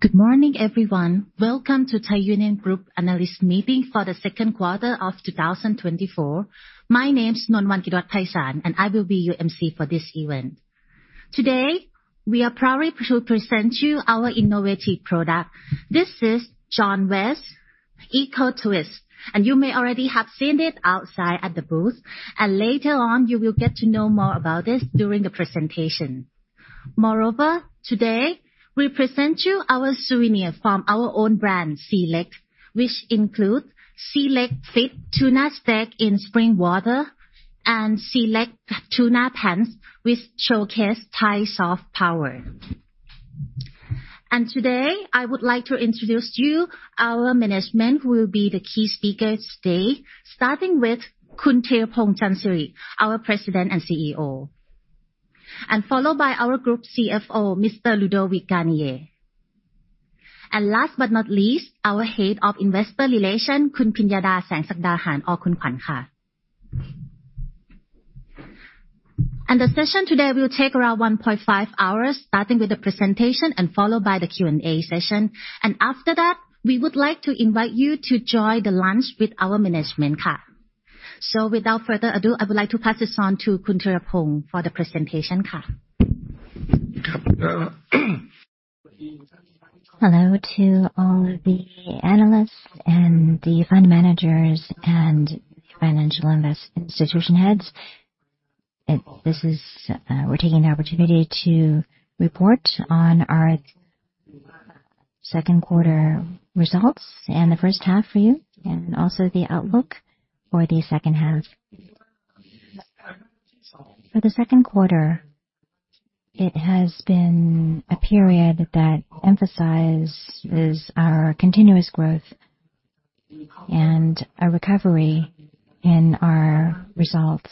Good morning, everyone. Welcome to Thai Union Group analyst meeting for the second quarter of 2024. My name is Uncertain, and I will be your MC for this event. Today, we are proud to present you our innovative product. This is John West EcoTwist, and you may already have seen it outside at the booth, and later on, you will get to know more about this during the presentation. Moreover, today, we present you our souvenir from our own brand, SEALECT which includes SEALECT Fit Tuna Steak in Spring Water and SEALECT Tuna Pants, which showcase Thai soft power. Today, I would like to introduce you our management, who will be the key speaker today, starting with Khun Theerapong Chansiri, our President and CEO, and followed by our Group CFO, Mr. Ludovic Garnier. Last but not least, our Head of Investor Relations, Kun Pinyada Sanguasin or Kun Khwan. The session today will take around 1.5 hours, starting with the presentation and followed by the Q&A session. After that, we would like to invite you to join the lunch with our management, ka. Without further ado, I would like to pass this on to Kun Theerapong for the presentation, ka. Hello to all the analysts and the fund managers and financial investment institution heads. This is, we're taking the opportunity to report on our second quarter results and the first half for you, and also the outlook for the second half. For the second quarter, it has been a period that emphasizes our continuous growth and a recovery in our results.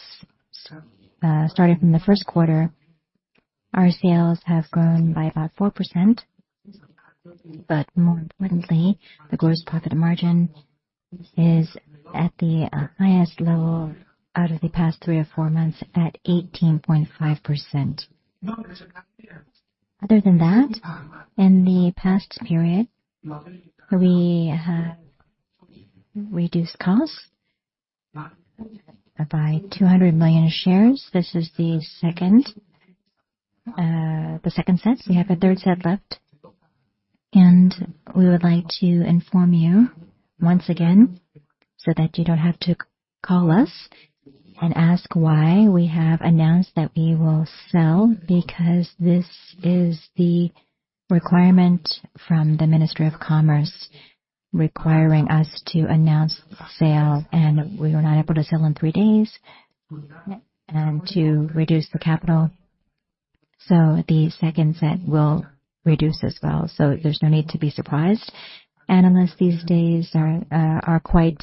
Starting from the first quarter, our sales have grown by about 4%, but more importantly, the gross profit margin is at the highest level out of the past three or four months, at 18.5%. Other than that, in the past period, we have reduced costs by 200 million. This is the second, the second set. We have a third set left, and we would like to inform you once again, so that you don't have to call us and ask why we have announced that we will sell, because this is the requirement from the Ministry of Commerce, requiring us to announce sale, and we were not able to sell in three days, and to reduce the capital. So the second set will reduce as well, so there's no need to be surprised. Analysts these days are quite,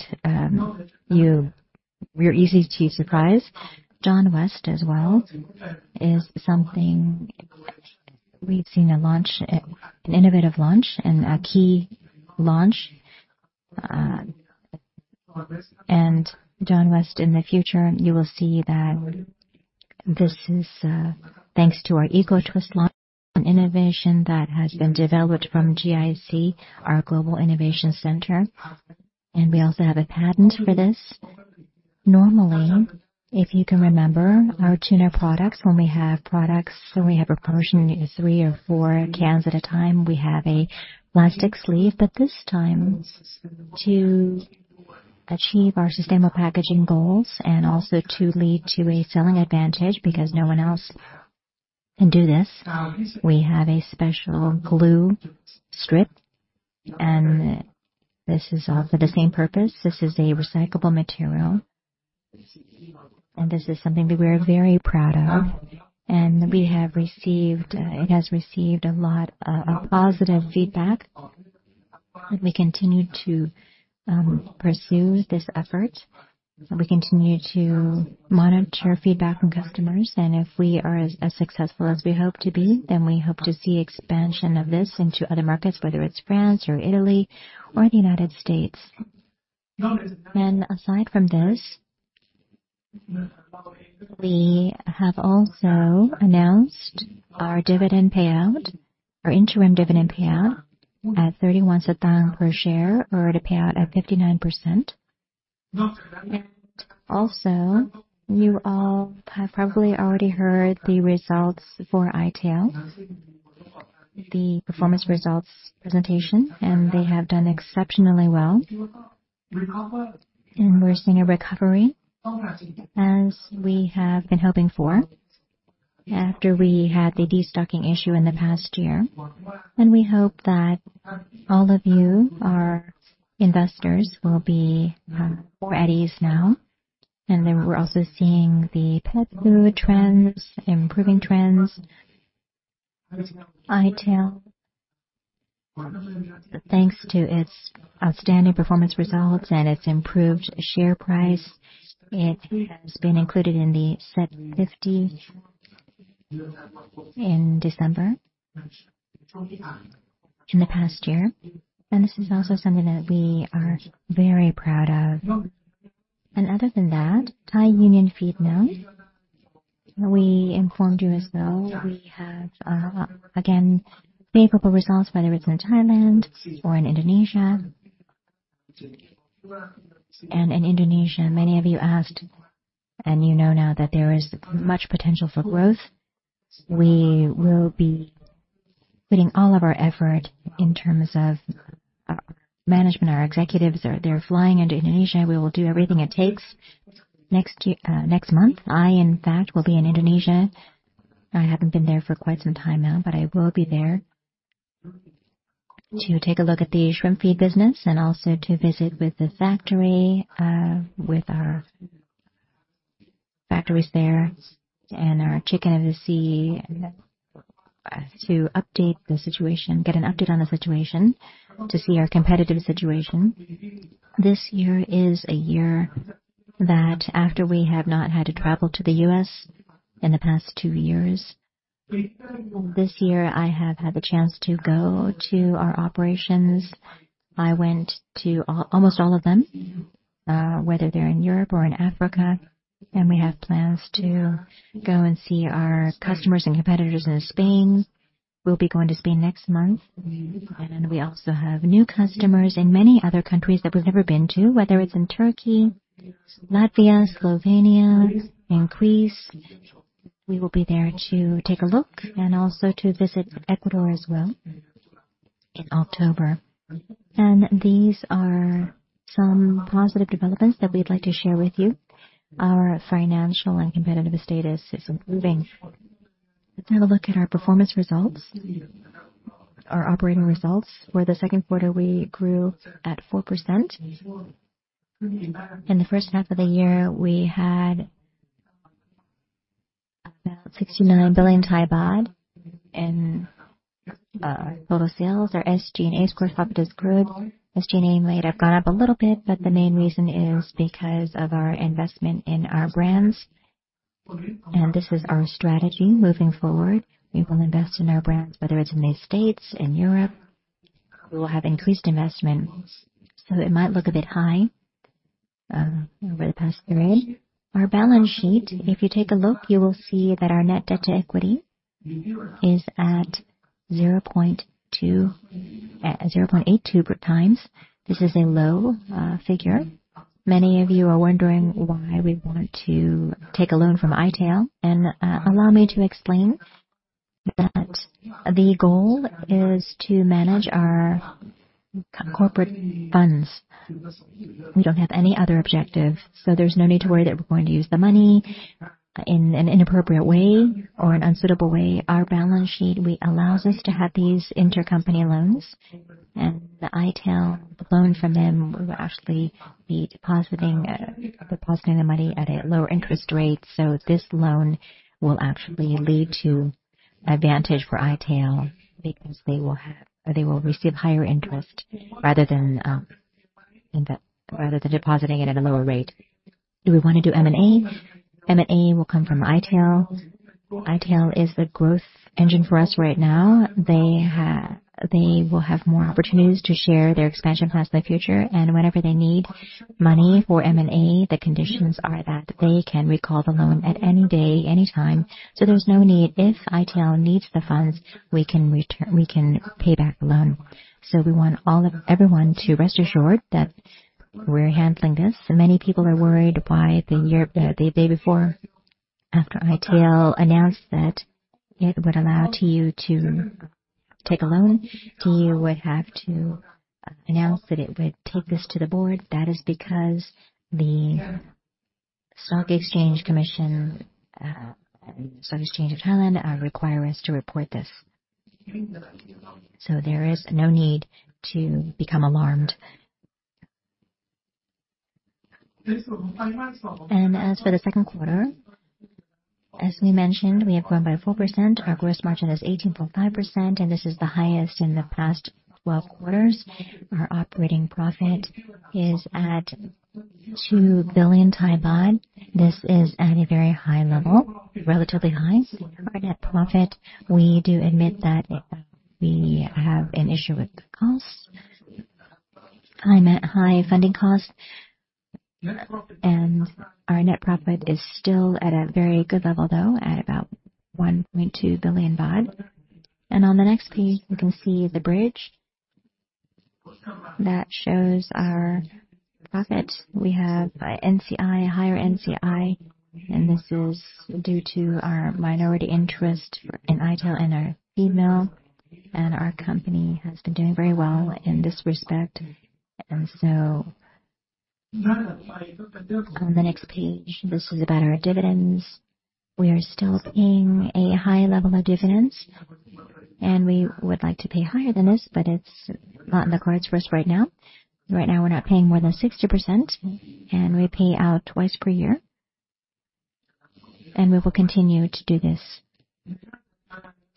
we are easy to surprise. John West as well is something we've seen a launch, an innovative launch and a key launch. And John West, in the future, you will see that this is thanks to our EcoTwist launch, an innovation that has been developed from GIC, our Global Innovation Center, and we also have a patent for this. Normally, if you can remember, our tuna products, when we have products, when we have a portion, three or four cans at a time, we have a plastic sleeve. But this time, to achieve our sustainable packaging goals and also to lead to a selling advantage, because no one else can do this, we have a special glue strip, and this is all for the same purpose. This is a recyclable material, and this is something that we are very proud of, and we have received, it has received a lot of positive feedback. We continue to pursue this effort, and we continue to monitor feedback from customers, and if we are as successful as we hope to be, then we hope to see expansion of this into other markets, whether it's France or Italy or the United States. And aside from this, we have also announced our dividend payout, our interim dividend payout, at 31 satang per share, or the payout at 59%. Also, you all have probably already heard the results for ITC, the performance results presentation, and they have done exceptionally well. And we're seeing a recovery, as we have been hoping for, after we had the destocking issue in the past year. And we hope that all of you, our investors, will be more at ease now. And then we're also seeing the pet food trends, improving trends. ITC, thanks to its outstanding performance results and its improved share price, it has been included in the SET50 in December, in the past year, and this is also something that we are very proud of. And other than that, Thai Union Feedmill-... We informed you as well, we have again, favorable results, whether it's in Thailand or in Indonesia. And in Indonesia, many of you asked, and you know now that there is much potential for growth. We will be putting all of our effort in terms of our management. Our executives are flying into Indonesia. We will do everything it takes next year, next month. I, in fact, will be in Indonesia. I haven't been there for quite some time now, but I will be there to take a look at the shrimp feed business and also to visit with the factory, with our factories there and our Chicken of the Sea, to update the situation, get an update on the situation, to see our competitive situation. This year is a year that after we have not had to travel to the U.S. in the past two years, this year, I have had the chance to go to our operations. I went to almost all of them, whether they're in Europe or in Africa, and we have plans to go and see our customers and competitors in Spain. We'll be going to Spain next month, and we also have new customers in many other countries that we've never been to, whether it's in Turkey, Latvia, Slovenia, in Greece. We will be there to take a look and also to visit Ecuador as well in October. These are some positive developments that we'd like to share with you. Our financial and competitive status is improving. Let's have a look at our performance results. Our operating results for the second quarter, we grew at 4%. In the first half of the year, we had about THB 69 billion in total sales. Our SG&A score, profit has grown. SG&A might have gone up a little bit, but the main reason is because of our investment in our brands, and this is our strategy moving forward. We will invest in our brands, whether it's in the States, in Europe. We will have increased investments, so it might look a bit high over the past three. Our balance sheet, if you take a look, you will see that our net debt to equity is at 0.82 times. This is a low figure. Many of you are wondering why we wanted to take a loan from i-Tail, and allow me to explain that the goal is to manage our corporate funds. We don't have any other objective, so there's no need to worry that we're going to use the money in an inappropriate way or an unsuitable way. Our balance sheet, we allows us to have these intercompany loans, and the i-Tail loan from them, we will actually be depositing, depositing the money at a lower interest rate. So this loan will actually lead to advantage for i-Tail because they will have- they will receive higher interest rather than, in the, rather than depositing it at a lower rate. Do we want to do M&A? M&A will come from i-Tail. i-Tail is the growth engine for us right now. They have-- They will have more opportunities to share their expansion plans in the future. And whenever they need money for M&A, the conditions are that they can recall the loan at any day, anytime. So there's no need. If i-Tail needs the funds, we can return, we can pay back the loan. So we want all of everyone to rest assured that we're handling this. Many people are worried why the year, the day before, after i-Tail announced that it would allow to you to take a loan, you would have to announce that it would take this to the board. That is because the Stock Exchange Commission, Stock Exchange of Thailand, require us to report this. So there is no need to become alarmed. And as for the second quarter, as we mentioned, we have grown by 4%. Our gross margin is 18.5%, and this is the highest in the past 12 quarters. Our operating profit is at 2 billion baht. This is at a very high level, relatively high. Our net profit, we do admit that we have an issue with costs. I meant high funding costs. Our net profit is still at a very good level, though, at about 1.2 billion baht. On the next page, you can see the bridge that shows our profit. We have NCI, a higher NCI, and this is due to our minority interest in i-Tail and our email. Our company has been doing very well in this respect. So on the next page, this is about our dividends. We are still paying a high level of dividends, and we would like to pay higher than this, but it's not in the cards for us right now. Right now, we're not paying more than 60%, and we pay out twice per year, and we will continue to do this.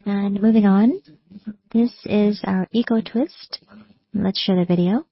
Moving on, this is our EcoTwist. Let's show the video.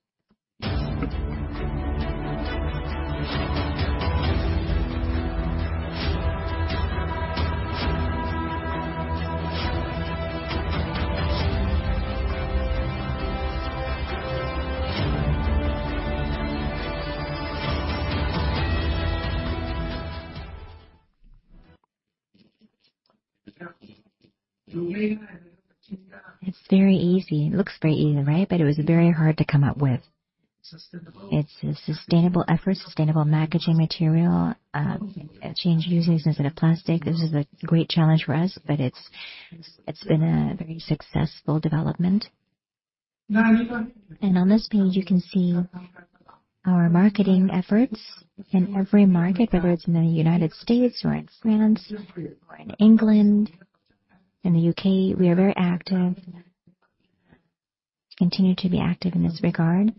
It's very easy. It looks very easy, right? But it was very hard to come up with. It's a sustainable effort, sustainable packaging material, change users instead of plastic. This is a great challenge for us, but it's, it's been a very successful development. And on this page, you can see our marketing efforts in every market, whether it's in the United States or in France or in England, in the UK. We are very active, continue to be active in this regard.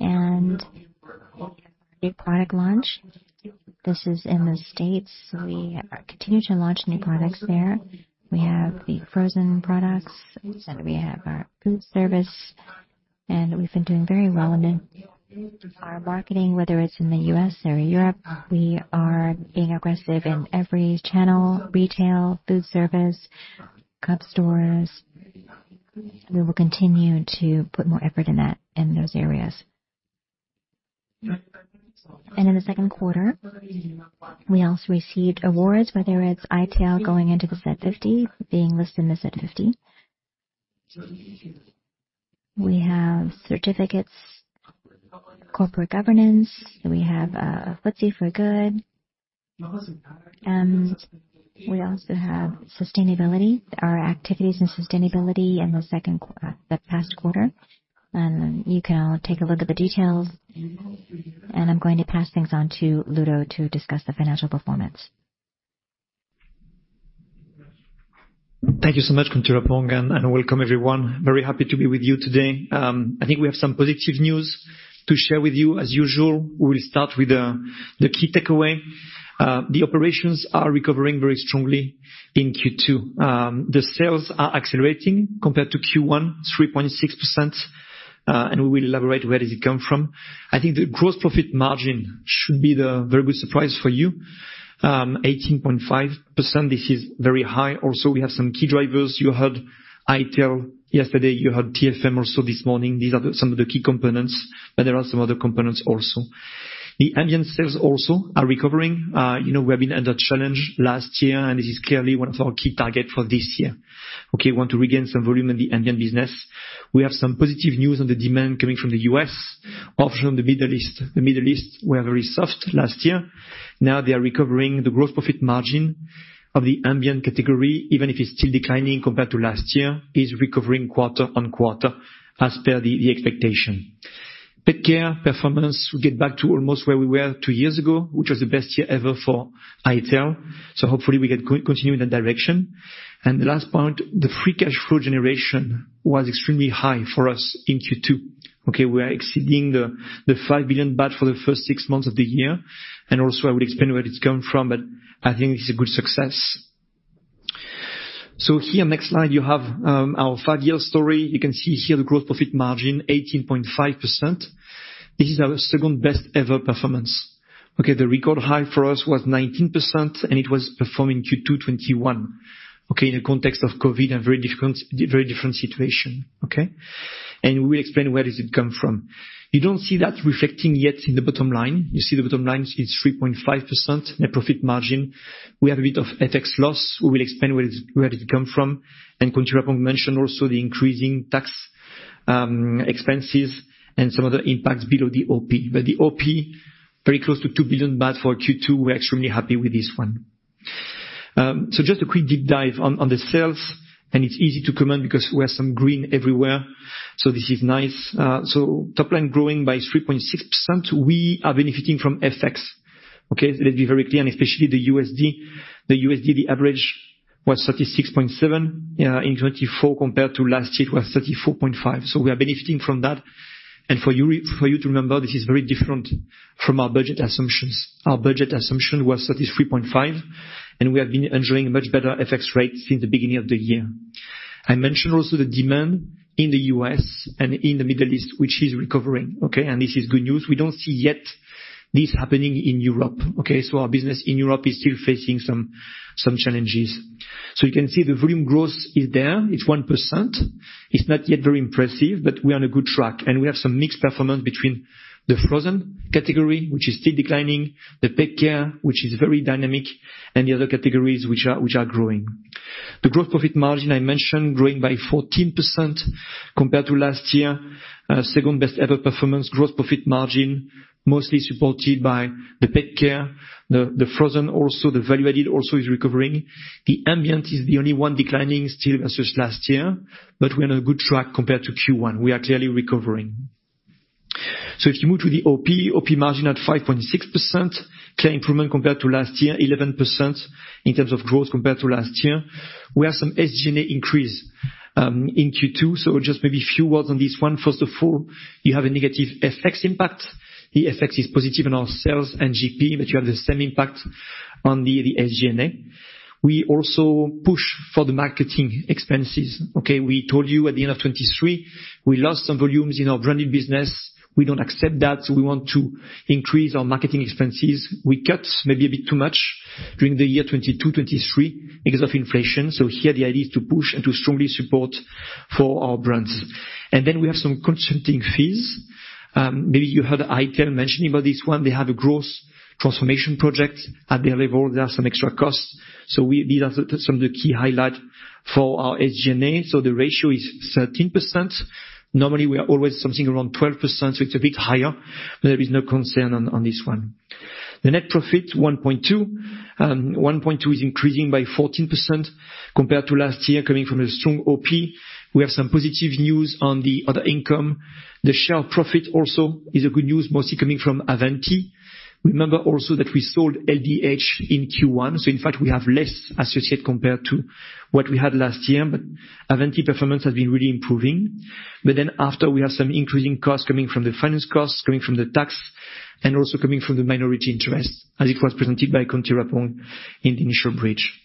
And new product launch, this is in the States. We continue to launch new products there. We have the frozen products, and we have our food service, and we've been doing very well in our marketing, whether it's in the US or Europe. We are being aggressive in every channel, retail, food service, club stores. We will continue to put more effort in that, in those areas. And in the second quarter, we also received awards, whether it's ITEL going into the SET50, being listed in the SET50. We have certificates, corporate governance, we have FTSE for Good, and we also have sustainability. Our activities in sustainability in the past quarter, and you can take a look at the details, and I'm going to pass things on to Ludo to discuss the financial performance. Thank you so much, Khun Thiraphong, and welcome everyone. Very happy to be with you today. I think we have some positive news to share with you. As usual, we will start with the key takeaway. The operations are recovering very strongly in Q2. The sales are accelerating compared to Q1, 3.6%, and we will elaborate where does it come from. I think the gross profit margin should be the very good surprise for you. 18.5%, this is very high. Also, we have some key drivers. You heard ITEL yesterday, you heard TFM also this morning. These are some of the key components, but there are some other components also. The ambient sales also are recovering. You know, we have been under challenge last year, and this is clearly one of our key target for this year. Okay, we want to regain some volume in the ambient business. We have some positive news on the demand coming from the US, also from the Middle East. The Middle East were very soft last year. Now they are recovering. The gross profit margin of the ambient category, even if it's still declining compared to last year, is recovering quarter-over-quarter as per the expectation. Pet care performance, we get back to almost where we were two years ago, which was the best year ever for ITEL, so hopefully we can continue in that direction. And the last point, the free cash flow generation was extremely high for us in Q2. Okay, we are exceeding the five billion baht for the first six months of the year, and also I will explain where it's coming from, but I think it's a good success. So here, next slide, you have our five-year story. You can see here the growth profit margin, 18.5%. This is our second best ever performance, okay? The record high for us was 19%, and it was performed in Q2 2021, okay, in the context of COVID and very different, very different situation, okay? And we will explain where does it come from. You don't see that reflecting yet in the bottom line. You see the bottom line is 3.5% net profit margin. We have a bit of FX loss. We will explain where it's, where it come from, and Khun Theerapong mentioned also the increasing tax expenses and some other impacts below the OP. But the OP, very close to 2 billion baht for Q2. We're extremely happy with this one. So just a quick deep dive on, on the sales, and it's easy to comment because we have some green everywhere, so this is nice. So top line growing by 3.6%. We are benefiting from FX, okay? Let's be very clear, and especially the USD. The USD, the average was 36.7 in 2024, compared to last year, it was 34.5. So we are benefiting from that. And for you, for you to remember, this is very different from our budget assumptions. Our budget assumption was 33.5, and we have been enjoying a much better FX rate since the beginning of the year. I mentioned also the demand in the U.S. and in the Middle East, which is recovering, okay? And this is good news. We don't see yet this happening in Europe, okay? So our business in Europe is still facing some challenges. So you can see the volume growth is there. It's 1%. It's not yet very impressive, but we are on a good track, and we have some mixed performance between the frozen category, which is still declining, the pet care, which is very dynamic, and the other categories which are growing. The gross profit margin, I mentioned, growing by 14% compared to last year. Second best ever performance. Gross profit margin, mostly supported by the pet care, the, the frozen also, the value added also is recovering. The ambient is the only one declining still versus last year, but we are on a good track compared to Q1. We are clearly recovering. So if you move to the OP, OP margin at 5.6%, clear improvement compared to last year, 11% in terms of growth compared to last year. We have some SG&A increase in Q2, so just maybe a few words on this one. First of all, you have a negative FX impact. The FX is positive in our sales and GP, but you have the same impact on the, the SG&A. We also push for the marketing expenses, okay? We told you at the end of 2023, we lost some volumes in our branded business. We don't accept that, so we want to increase our marketing expenses. We cut maybe a bit too much during the year 2022, 2023 because of inflation. So here the idea is to push and to strongly support for our brands. And then we have some consulting fees. Maybe you heard ITL mentioning about this one. They have a growth transformation project. At their level, there are some extra costs. So these are some of the key highlights for our SG&A. So the ratio is 13%. Normally, we are always something around 12%, so it's a bit higher, but there is no concern on this one. The net profit 1.2, and 1.2 is increasing by 14% compared to last year, coming from a strong OP. We have some positive news on the other income. The share profit also is a good news, mostly coming from Avanti. Remember also that we sold LDH in Q1, so in fact, we have less associate compared to what we had last year, but Avanti performance has been really improving. But then after, we have some increasing costs coming from the finance costs, coming from the tax, and also coming from the minority interest, as it was presented by Country Report in the initial bridge.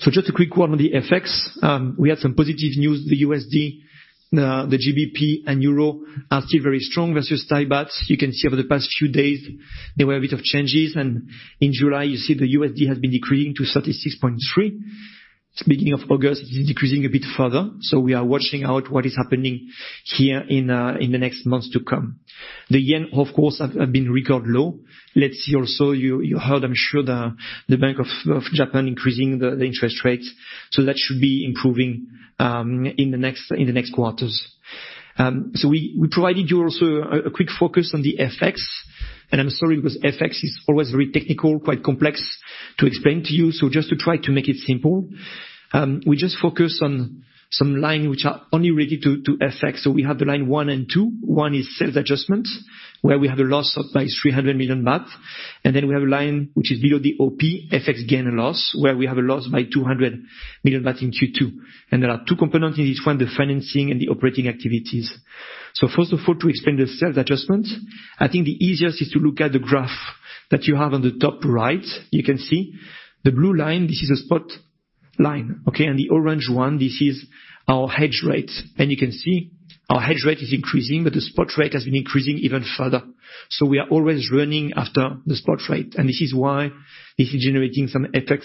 So just a quick one on the FX. We had some positive news. The USD, the GBP and Euro are still very strong versus Thai baht. You can see over the past few days, there were a bit of changes, and in July, you see the USD has been decreasing to 36.3 THB. It's beginning of August, it is decreasing a bit further. So we are watching out what is happening here in the next months to come. The yen, of course, have been record low. Let's see also, you heard, I'm sure, the Bank of Japan increasing the interest rates, so that should be improving in the next quarters. So we provided you also a quick focus on the FX, and I'm sorry, because FX is always very technical, quite complex to explain to you. So just to try to make it simple, we just focus on some line which are only related to FX. So we have the line one and two. One is sales adjustment, where we have a loss of by 300 million baht, and then we have a line which is below the OP, FX gain and loss, where we have a loss by 200 million baht in Q2. There are two components in this one: the financing and the operating activities. First of all, to explain the sales adjustment, I think the easiest is to look at the graph that you have on the top right. You can see the blue line, this is a spot line, okay? The orange one, this is our hedge rate. You can see our hedge rate is increasing, but the spot rate has been increasing even further. We are always running after the spot rate, and this is why this is generating some FX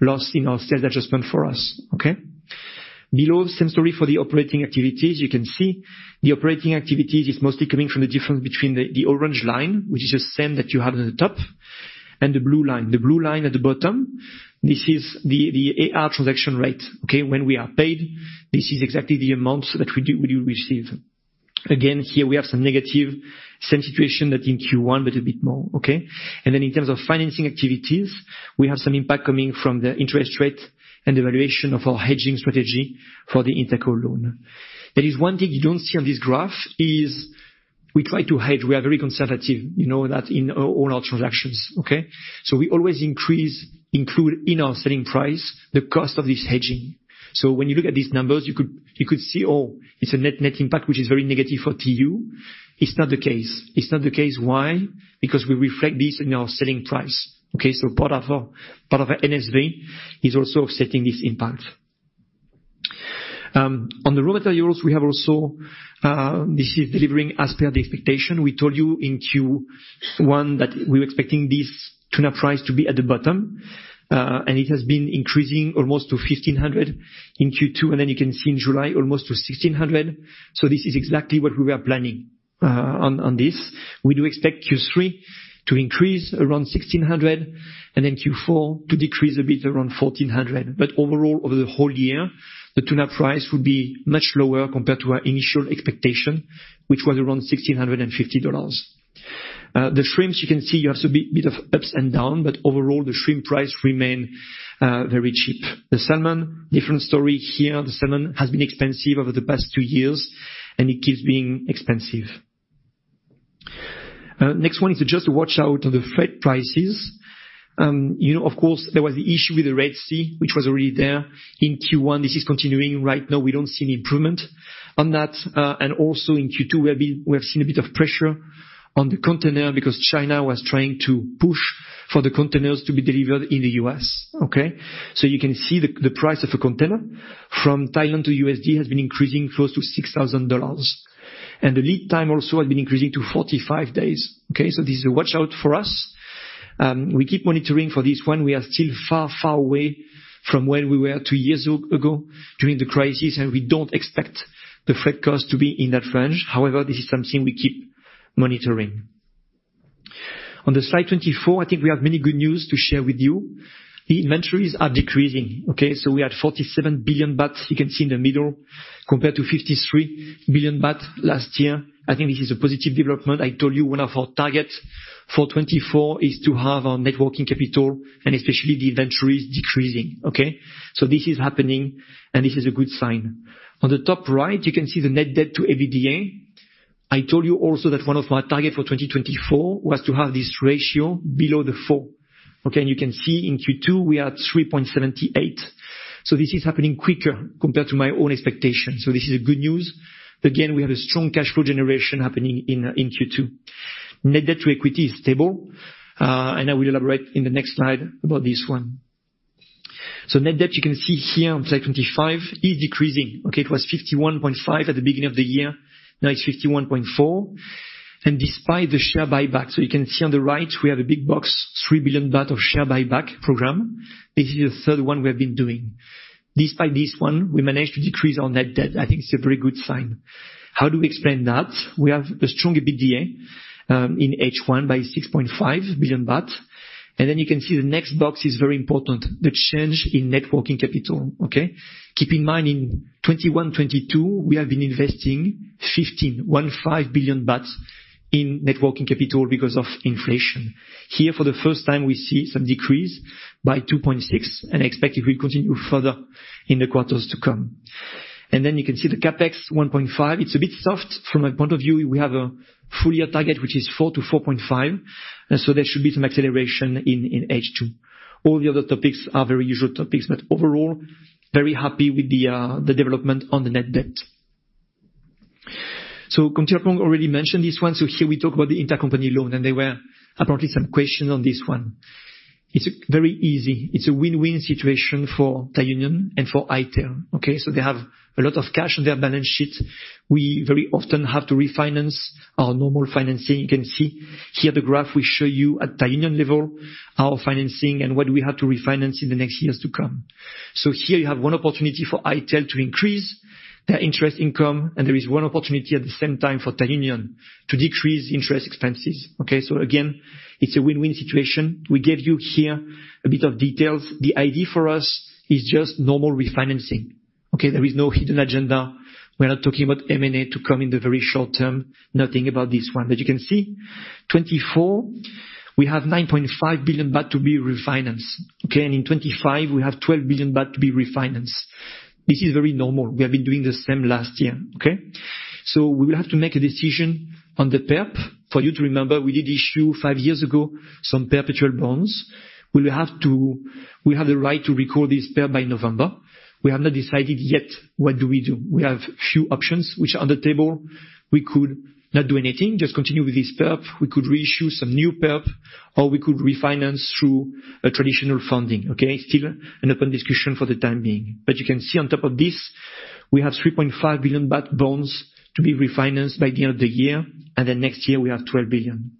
loss in our sales adjustment for us, okay? Below, same story for the operating activities. You can see the operating activities is mostly coming from the difference between the orange line, which is the same that you have at the top, and the blue line. The blue line at the bottom, this is the AR transaction rate, okay? When we are paid, this is exactly the amount that we receive. Again, here we have some negative, same situation that in Q1, but a bit more, okay? And then in terms of financing activities, we have some impact coming from the interest rate and the valuation of our hedging strategy for the interco loan. There is one thing you don't see on this graph is we try to hedge. We are very conservative, you know that, in all our transactions, okay? So we always include in our selling price the cost of this hedging. So when you look at these numbers, you could, you could see, oh, it's a net, net impact, which is very negative for TU. It's not the case. It's not the case. Why? Because we reflect this in our selling price, okay? So part of our, part of our NSV is also offsetting this impact. On the raw materials, we have also this is delivering as per the expectation. We told you in Q1 that we were expecting this tuna price to be at the bottom, and it has been increasing almost to $1,500 in Q2, and then you can see in July, almost to $1,600. So this is exactly what we were planning, on, on this. We do expect Q3 to increase around $1,600, and then Q4 to decrease a bit around $1,400. But overall, over the whole year, the tuna price will be much lower compared to our initial expectation, which was around $1,650. The shrimps, you can see you have a bit of ups and downs, but overall, the shrimp price remain very cheap. The salmon, different story here. The salmon has been expensive over the past two years, and it keeps being expensive. Next one is to just watch out on the freight prices. You know, of course, there was the issue with the Red Sea, which was already there in Q1. This is continuing. Right now, we don't see any improvement on that. And also in Q2, we have seen a bit of pressure on the container because China was trying to push for the containers to be delivered in the U.S., okay? So you can see the price of a container from Thailand to the US has been increasing close to $6,000, and the lead time also has been increasing to 45 days, okay? So this is a watch-out for us. We keep monitoring for this one. We are still far, far away from where we were two years ago during the crisis, and we don't expect the freight cost to be in that range. However, this is something we keep monitoring. On the slide 24, I think we have many good news to share with you. The inventories are decreasing, okay? So we had 47 billion baht, you can see in the middle, compared to 53 billion baht last year. I think this is a positive development. I told you one of our targets for 2024 is to have our net working capital, and especially the inventories, decreasing, okay? So this is happening, and this is a good sign. On the top right, you can see the net debt to EBITDA. I told you also that one of my target for 2024 was to have this ratio below four, okay? And you can see in Q2, we are at 3.78. So this is happening quicker compared to my own expectation, so this is a good news. Again, we have a strong cash flow generation happening in Q2. Net debt to equity is stable, and I will elaborate in the next slide about this one. So net debt, you can see here on slide 25, is decreasing, okay? It was 51.5 at the beginning of the year, now it's 51.4. Despite the share buyback, so you can see on the right, we have a big box, three billion baht of share buyback program. This is the third one we have been doing. Despite this one, we managed to decrease our net debt. I think it's a very good sign. How do we explain that? We have a stronger EBITDA in H1 by 6.5 billion baht. Then you can see the next box is very important, the change in net working capital, okay? Keep in mind, in 2021, 2022, we have been investing 15.15 billion baht in net working capital because of inflation. Here, for the first time, we see some decrease by 2.6, and I expect it will continue further in the quarters to come. Then you can see the CapEx, 1.5. It's a bit soft from my point of view. We have a full year target, which is 4-4.5, and so there should be some acceleration in H2. All the other topics are very usual topics, but overall, very happy with the development on the net debt. So Khun Trapoom already mentioned this one, so here we talk about the intercompany loan, and there were apparently some questions on this one. It's very easy. It's a win-win situation for Thai Union and for ITEL, okay? So they have a lot of cash on their balance sheet. We very often have to refinance our normal financing. You can see here, the graph will show you at Thai Union level, our financing and what we have to refinance in the next years to come. So here you have one opportunity for ITEL to increase their interest income, and there is one opportunity at the same time for Thai Union to decrease interest expenses, okay? So again, it's a win-win situation. We gave you here a bit of details. The idea for us is just normal refinancing, okay? There is no hidden agenda. We are not talking about M&A to come in the very short term. Nothing about this one. But you can see, 2024, we have 9.5 billion baht to be refinanced, okay? And in 2025, we have 12 billion baht to be refinanced. This is very normal. We have been doing the same last year, okay? So we will have to make a decision on the perp. For you to remember, we did issue, five years ago, some perpetual bonds. We have the right to recall this perp by November. We have not decided yet what do we do. We have a few options which are on the table. We could not do anything, just continue with this perp. We could reissue some new perp, or we could refinance through a traditional funding, okay? Still an open discussion for the time being. But you can see on top of this, we have 3.5 billion baht bonds to be refinanced by the end of the year, and then next year, we have 12 billion.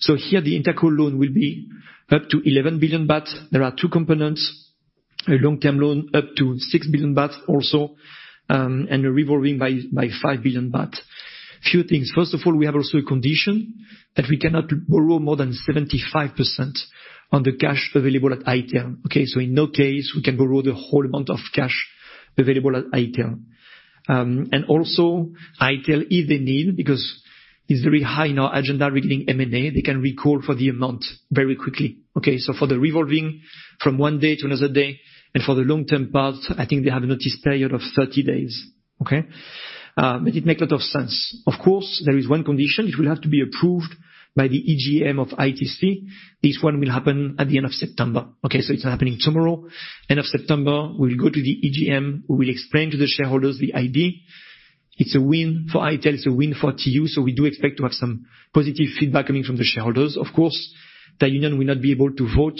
So here, the interco loan will be up to 11 billion baht. There are two components, a long-term loan, up to six billion baht also, and a revolving by five billion baht. A few things. First of all, we have also a condition that we cannot borrow more than 75% on the cash available at ITEL, okay? So in no case, we can borrow the whole amount of cash available at ITEL. And also, ITEL, if they need, because it's very high in our agenda regarding M&A, they can recall for the amount very quickly, okay? So for the revolving from one day to another day, and for the long-term part, I think they have a notice period of 30 days, okay? But it make a lot of sense. Of course, there is one condition. It will have to be approved by the EGM of ITC. This one will happen at the end of September, okay? So it's happening tomorrow. End of September, we will go to the EGM. We will explain to the shareholders the idea. It's a win for ITEL, it's a win for TU, so we do expect to have some positive feedback coming from the shareholders. Of course, Thai Union will not be able to vote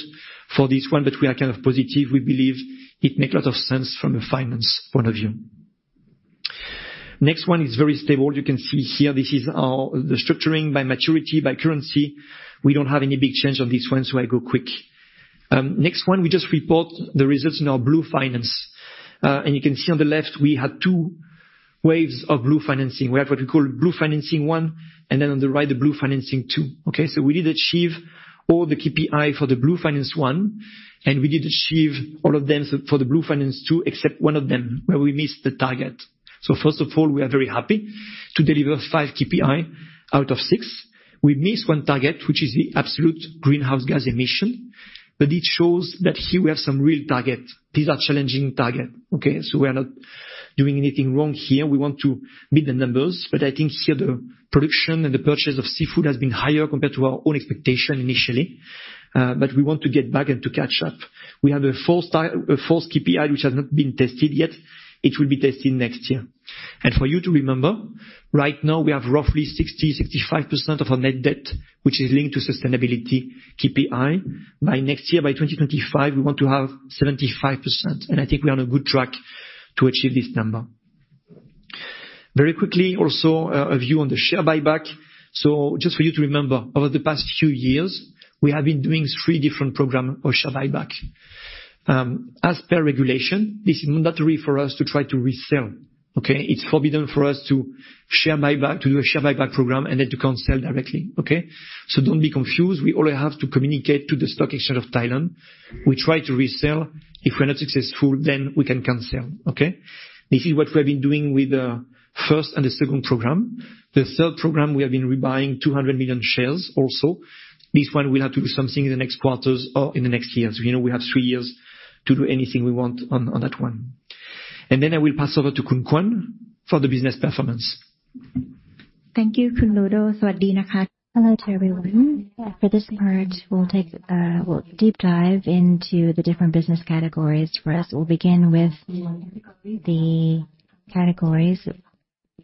for this one, but we are kind of positive. We believe it makes a lot of sense from a finance point of view. Next one is very stable. You can see here, this is our, the structuring by maturity, by currency. We don't have any big change on this one, so I go quick. Next one, we just report the results in our blue finance. And you can see on the left, we had two waves of blue financing. We have what we call Blue Financing One, and then on the right, the Blue Financing Two. Okay, so we did achieve all the KPI for the Blue Finance one, and we did achieve all of them for the Blue Finance two, except one of them, where we missed the target. So first of all, we are very happy to deliver five KPI out of six. We missed 1 target, which is the absolute greenhouse gas emission, but it shows that here we have some real target. These are challenging target, okay? So we are not doing anything wrong here. We want to meet the numbers, but I think here, the production and the purchase of seafood has been higher compared to our own expectation initially. But we want to get back and to catch up. We have a fourth KPI, which has not been tested yet. It will be tested next year. For you to remember, right now, we have roughly 60-65% of our net debt, which is linked to sustainability KPI. By next year, by 2025, we want to have 75%, and I think we are on a good track to achieve this number. Very quickly, also, a view on the share buyback. Just for you to remember, over the past few years, we have been doing three different program of share buyback. As per regulation, this is mandatory for us to try to resell, okay? It's forbidden for us to share buyback - to do a share buyback program and then to cancel directly, okay? Don't be confused. We only have to communicate to the Stock Exchange of Thailand. We try to resell. If we're not successful, then we can cancel, okay? This is what we have been doing with the first and the second program. The third program, we have been rebuying 200 million shares also. This one, we'll have to do something in the next quarters or in the next years. We know we have three years to do anything we want on, on that one. Then I will pass over to Khun Kwan for the business performance. Thank you, Khun Ludo. Hello to everyone. For this part, we'll take a deep dive into the different business categories for us. We'll begin with the categories.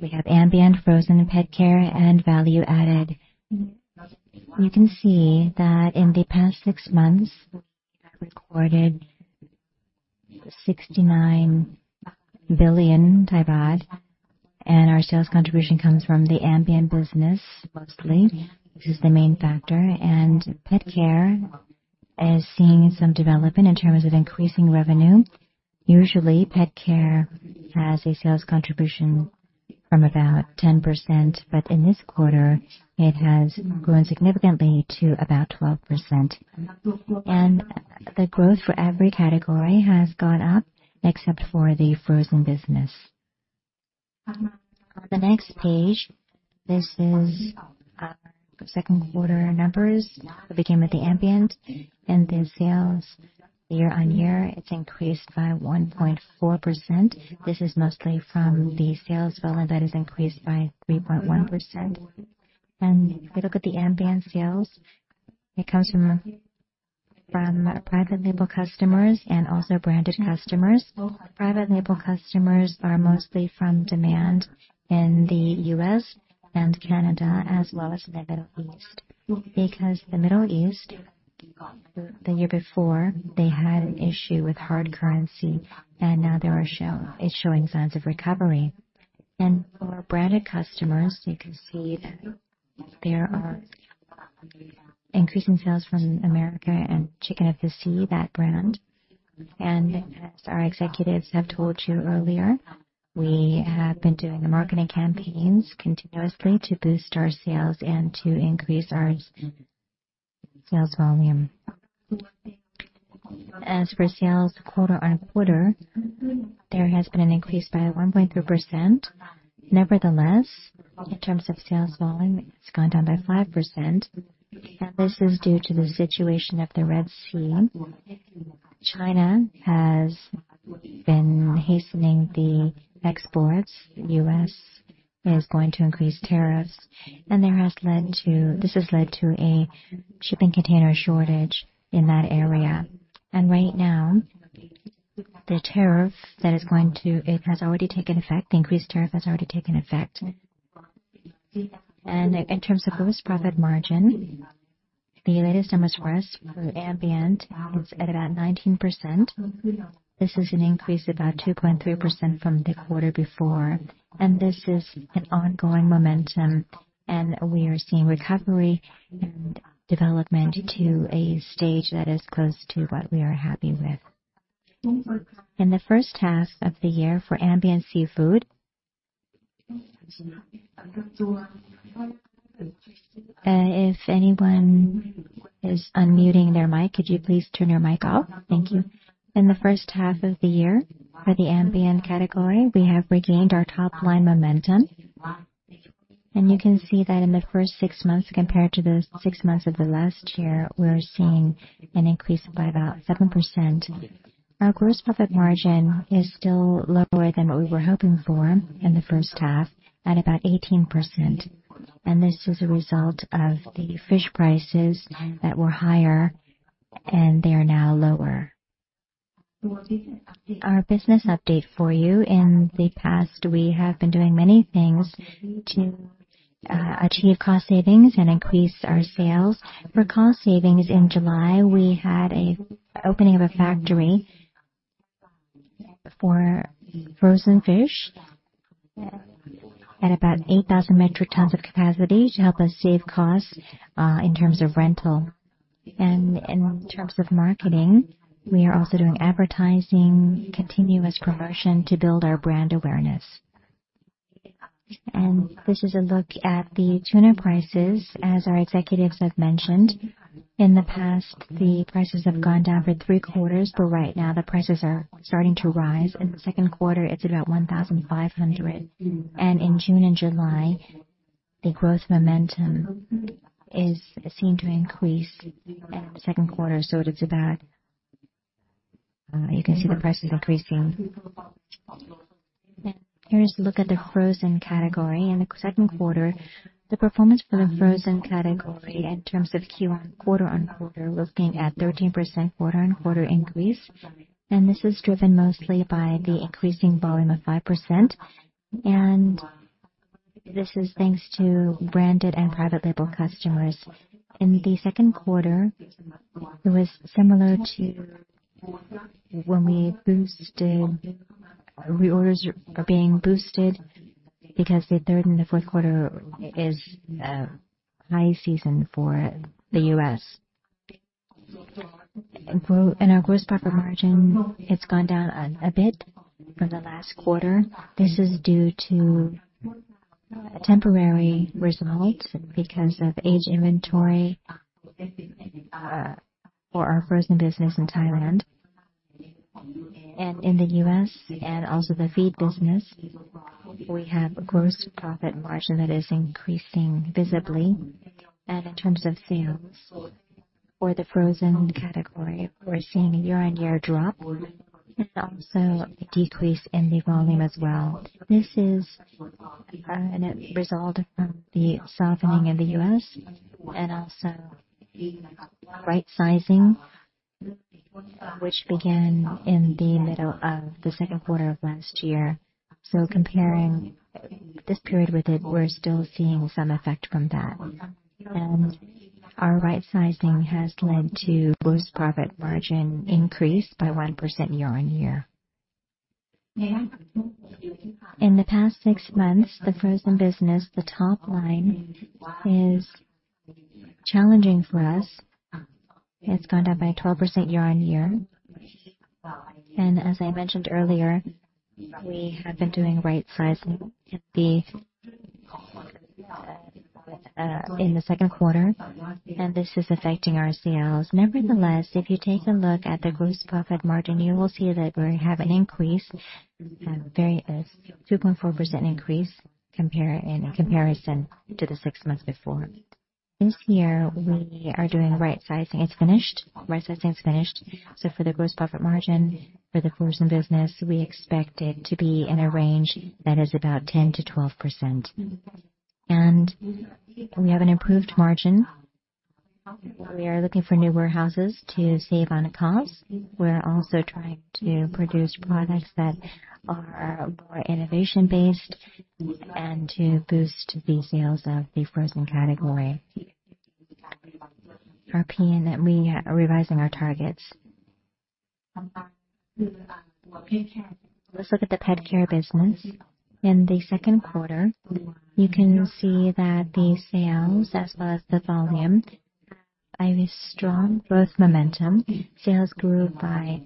We have ambient, frozen and pet care, and value added. You can see that in the past six months, we have recorded 69 billion baht, and our sales contribution comes from the ambient business mostly, which is the main factor, and pet care is seeing some development in terms of increasing revenue. Usually, pet care has a sales contribution from about 10%, but in this quarter, it has grown significantly to about 12%. The growth for every category has gone up, except for the frozen business. The next page, this is our second quarter numbers. We begin with the ambient, and the sales year-on-year, it's increased by 1.4%. This is mostly from the sales volume that is increased by 3.1%. And if you look at the ambient sales, it comes from private label customers and also branded customers. Private label customers are mostly from demand in the U.S. and Canada, as well as the Middle East. Because the Middle East, the year before, they had an issue with hard currency, and now it's showing signs of recovery. And for branded customers, you can see that there are increasing sales from America and Chicken of the Sea, that brand. And as our executives have told you earlier, we have been doing the marketing campaigns continuously to boost our sales and to increase our sales volume. As for sales quarter-on-quarter, there has been an increase by 1.3%. Nevertheless, in terms of sales volume, it's gone down by 5%, and this is due to the situation of the Red Sea. China has been hastening the exports. The U.S. is going to increase tariffs, and this has led to a shipping container shortage in that area. And right now, the tariff that is going to... It has already taken effect. The increased tariff has already taken effect. And in terms of gross profit margin, the latest numbers for us for ambient is at about 19%. This is an increase of about 2.3% from the quarter before, and this is an ongoing momentum, and we are seeing recovery and development to a stage that is close to what we are happy with. In the first half of the year for ambient seafood. If anyone is unmuting their mic, could you please turn your mic off? Thank you. In the first half of the year, for the ambient category, we have regained our top-line momentum. You can see that in the first six months compared to the six months of the last year, we're seeing an increase by about 7%. Our gross profit margin is still lower than what we were hoping for in the first half, at about 18%, and this is a result of the fish prices that were higher, and they are now lower. Our business update for you. In the past, we have been doing many things to achieve cost savings and increase our sales. For cost savings, in July, we had an opening of a factory for frozen fish at about 8,000 metric tons of capacity to help us save costs in terms of rental. In terms of marketing, we are also doing advertising, continuous promotion to build our brand awareness. This is a look at the tuna prices. As our executives have mentioned, in the past, the prices have gone down for three quarters, but right now, the prices are starting to rise. In the second quarter, it's about 1,500, and in June and July, the growth momentum is seen to increase. In the second quarter, so did the bad. You can see the prices increasing. Here's a look at the frozen category. In the second quarter, the performance for the frozen category in terms of quarter-on-quarter, looking at 13% quarter-on-quarter increase, and this is driven mostly by the increasing volume of 5%, and this is thanks to branded and private label customers. In the second quarter, it was similar to when we boosted... Reorders are being boosted because the third and the fourth quarter is a high season for the U.S. And gross and our gross profit margin, it's gone down a bit from the last quarter. This is due to temporary results because of aged inventory for our frozen business in Thailand. And in the U.S. and also the feed business, we have a gross profit margin that is increasing visibly. In terms of sales for the frozen category, we're seeing a year-on-year drop and also a decrease in the volume as well. This is a result from the softening in the U.S. and also right sizing, which began in the middle of the second quarter of last year. So comparing this period with it, we're still seeing some effect from that. And our right sizing has led to gross profit margin increase by 1% year-on-year. In the past six months, the frozen business, the top line, is challenging for us. It's gone down by 12% year-on-year. And as I mentioned earlier, we have been doing right sizing in the second quarter, and this is affecting our sales. Nevertheless, if you take a look at the gross profit margin, you will see that we have an increase, a very 2.4% increase compared in comparison to the six months before. This year, we are doing right sizing. It's finished. Right sizing is finished. So for the gross profit margin for the frozen business, we expect it to be in a range that is about 10%-12%. And we have an improved margin. We are looking for new warehouses to save on costs. We're also trying to produce products that are more innovation based and to boost the sales of the frozen category. Our PN, that we are revising our targets. Let's look at the pet care business. In the second quarter, you can see that the sales as well as the volume have a strong growth momentum. Sales grew by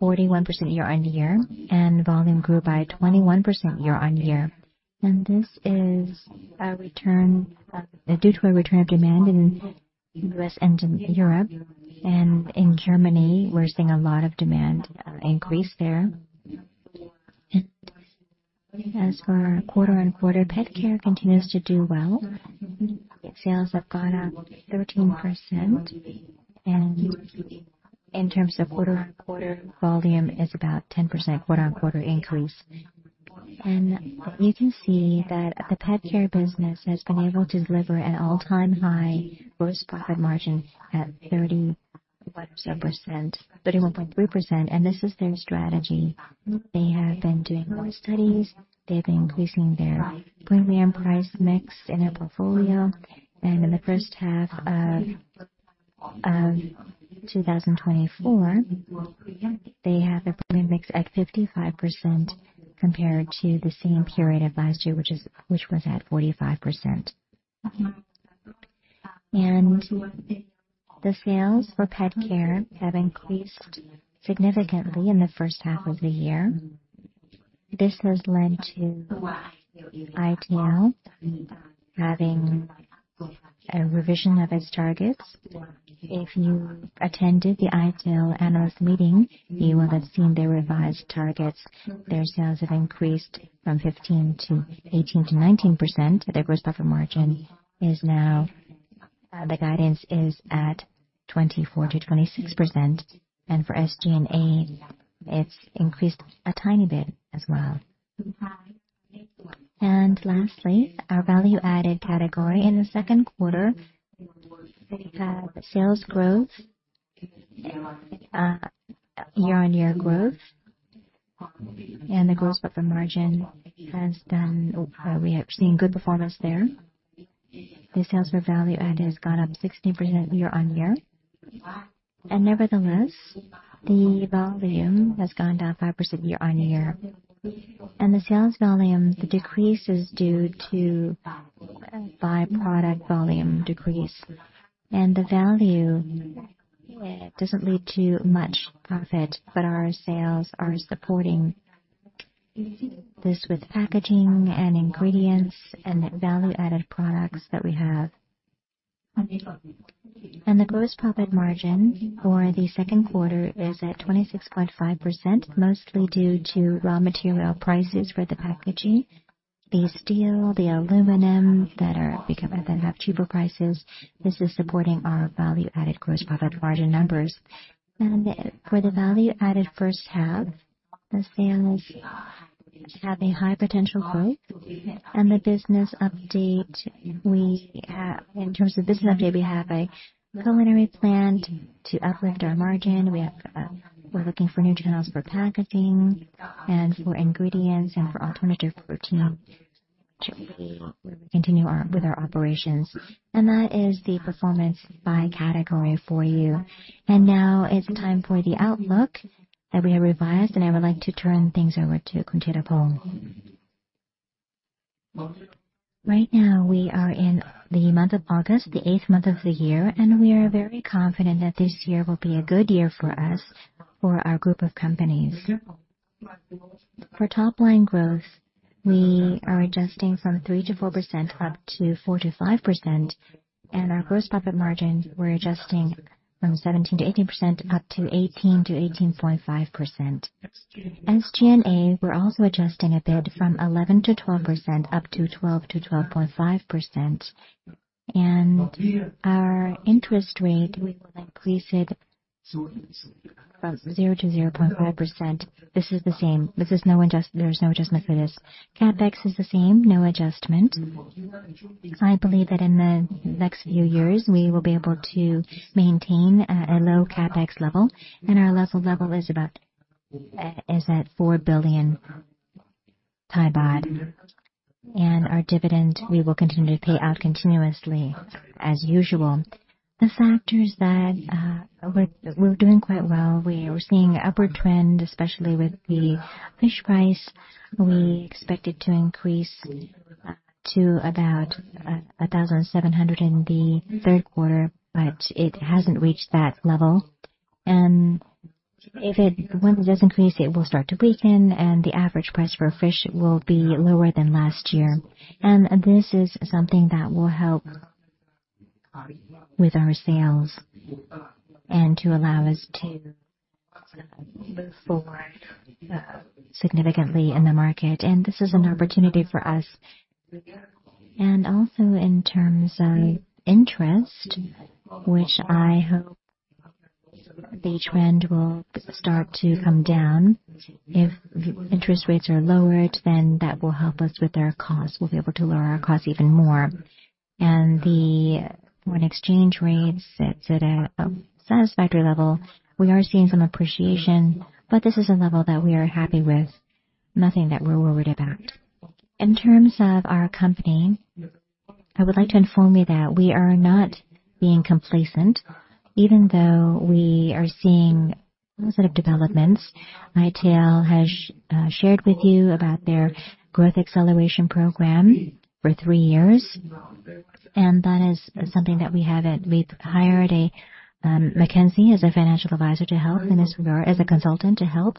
41% year-over-year, and volume grew by 21% year-over-year. This is a return due to a return of demand in U.S. and in Europe. In Germany, we're seeing a lot of demand increase there. As for quarter-over-quarter, pet care continues to do well. Sales have gone up 13%, and in terms of quarter-over-quarter, volume is about 10% quarter-over-quarter increase. You can see that the pet care business has been able to deliver an all-time high gross profit margin at 31%, 31.3%, and this is their strategy. They have been doing more studies. They've been increasing their premium price mix in their portfolio. In the first half of 2024, they have a premium mix at 55%, compared to the same period of last year, which was at 45%. The sales for pet care have increased significantly in the first half of the year. This has led to ITC having a revision of its targets. If you attended the ITC annual meeting, you will have seen their revised targets. Their sales have increased from 15% to 18%-19%. Their gross profit margin is now, the guidance is at 24%-26%, and for SG&A, it's increased a tiny bit as well. Lastly, our value-added category. In the second quarter, the sales growth, year-on-year growth and the gross profit margin has done, we have seen good performance there. The sales for value add has gone up 16% year-on-year. Nevertheless, the volume has gone down 5% year-on-year. The sales volume, the decrease is due to by product volume decrease. The value doesn't lead to much profit, but our sales are supporting this with packaging and ingredients and the value-added products that we have. The gross profit margin for the second quarter is at 26.5%, mostly due to raw material prices for the packaging. The steel, the aluminum that are become, that have cheaper prices, this is supporting our value-added gross profit margin numbers. For the value-added first half, the sales have a high potential growth. The business update we have... In terms of business update, we have a culinary plant to uplift our margin. We have, we're looking for new channels for packaging and for ingredients and for alternative protein, which we continue our, with our operations. That is the performance by category for you. Now it's time for the outlook that we have revised, and I would like to turn things over to Theerapong. Right now, we are in the month of August, the eighth month of the year, and we are very confident that this year will be a good year for us, for our group of companies. For top line growth, we are adjusting from 3%-4% up to 4%-5%. Our gross profit margin, we're adjusting from 17%-18% up to 18%-18.5%. SG&A, we're also adjusting a bit from 11%-12% up to 12%-12.5%. Our interest rate will increase from 0%-0.5%; this is the same. There is no adjustment for this. CapEx is the same, no adjustment. I believe that in the next few years, we will be able to maintain a low CapEx level, and our level is at 4 billion baht. And our dividend, we will continue to pay out continuously as usual. The factors that we're doing quite well. We are seeing upward trend, especially with the fish price. We expect it to increase to about 1,700 in the third quarter, but it hasn't reached that level. Once it does increase, it will start to weaken, and the average price for fish will be lower than last year. This is something that will help with our sales and to allow us to move forward, significantly in the market, and this is an opportunity for us. Also in terms of interest, which I hope the trend will start to come down. If interest rates are lowered, then that will help us with our costs. We'll be able to lower our costs even more. And the foreign exchange rates, it's at a, a satisfactory level. We are seeing some appreciation, but this is a level that we are happy with, nothing that we're worried about. In terms of our company, I would like to inform you that we are not being complacent, even though we are seeing positive developments. ITEL has shared with you about their growth acceleration program for three years, and that is something that we have it. We've hired a McKinsey as a financial advisor to help, and as we are, as a consultant to help.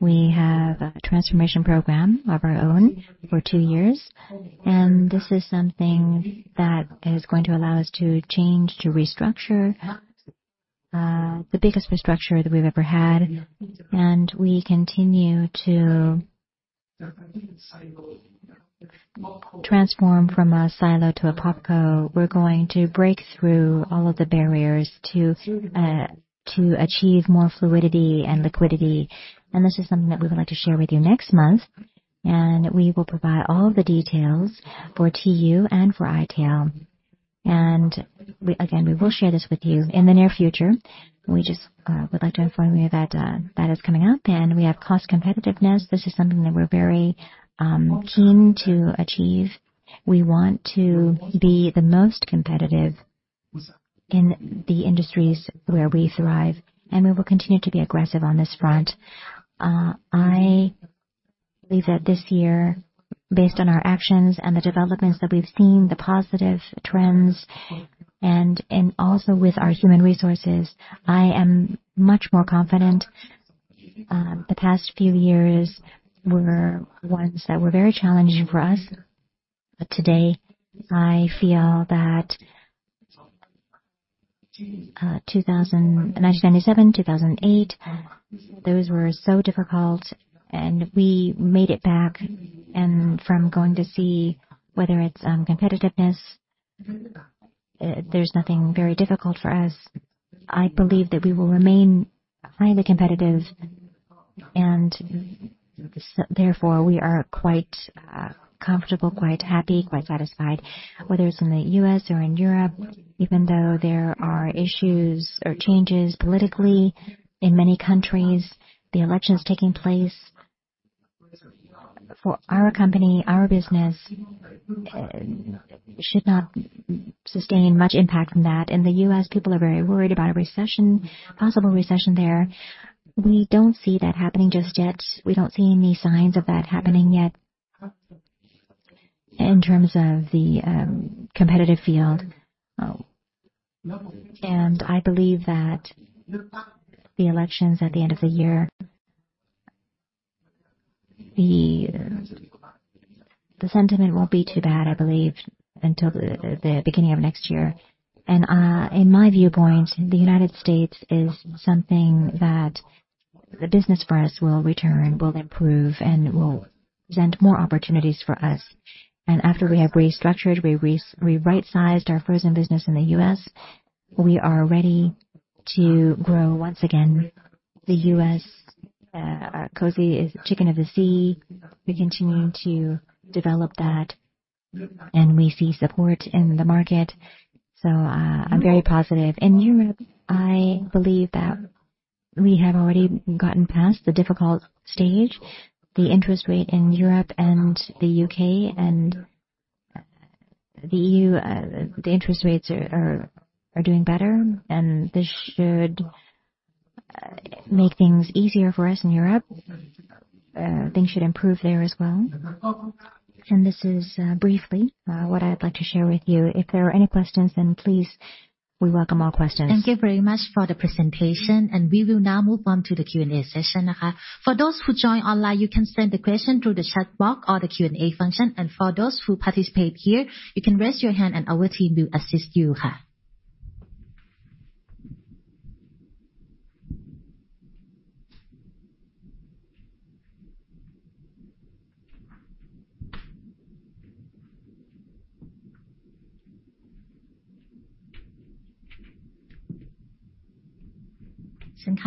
We have a transformation program of our own for two years, and this is something that is going to allow us to change, to restructure, the biggest restructure that we've ever had, and we continue to transform from a silo to a OpCo. We're going to break through all of the barriers to, to achieve more fluidity and liquidity, and this is something that we would like to share with you next month, and we will provide all the details for TU and for ITEL. And we again, we will share this with you in the near future. We just would like to inform you that that is coming up, and we have cost competitiveness. This is something that we're very keen to achieve. We want to be the most competitive in the industries where we thrive, and we will continue to be aggressive on this front. I believe that this year, based on our actions and the developments that we've seen, the positive trends and, and also with our human resources, I am much more confident. The past few years were ones that were very challenging for us, but today I feel that, 1997, 2008, those were so difficult, and we made it back. And from going to see whether it's, competitiveness, there's nothing very difficult for us. I believe that we will remain highly competitive, and therefore, we are quite comfortable, quite happy, quite satisfied, whether it's in the U.S. or in Europe, even though there are issues or changes politically in many countries, the elections taking place. For our company, our business, should not sustain much impact from that. In the U.S., people are very worried about a recession, possible recession there. We don't see that happening just yet. We don't see any signs of that happening yet in terms of the competitive field. And I believe that the elections at the end of the year, the sentiment won't be too bad, I believe, until the beginning of next year. And, in my viewpoint, the United States is something that the business for us will return, will improve, and will present more opportunities for us. And after we have restructured, we rightsized our frozen business in the U.S., we are ready to grow once again. The U.S. core is Chicken of the Sea. We continue to develop that, and we see support in the market. I'm very positive. In Europe, I believe that we have already gotten past the difficult stage. The interest rate in Europe and the UK and the EU, the interest rates are doing better, and this should make things easier for us in Europe. Things should improve there as well. This is briefly what I'd like to share with you. If there are any questions, then please, we welcome all questions. Thank you very much for the presentation, and we will now move on to the Q&A session. For those who join online, you can send the question through the chat box or the Q&A function, and for those who participate here, you can raise your hand and our team will assist you.... I'd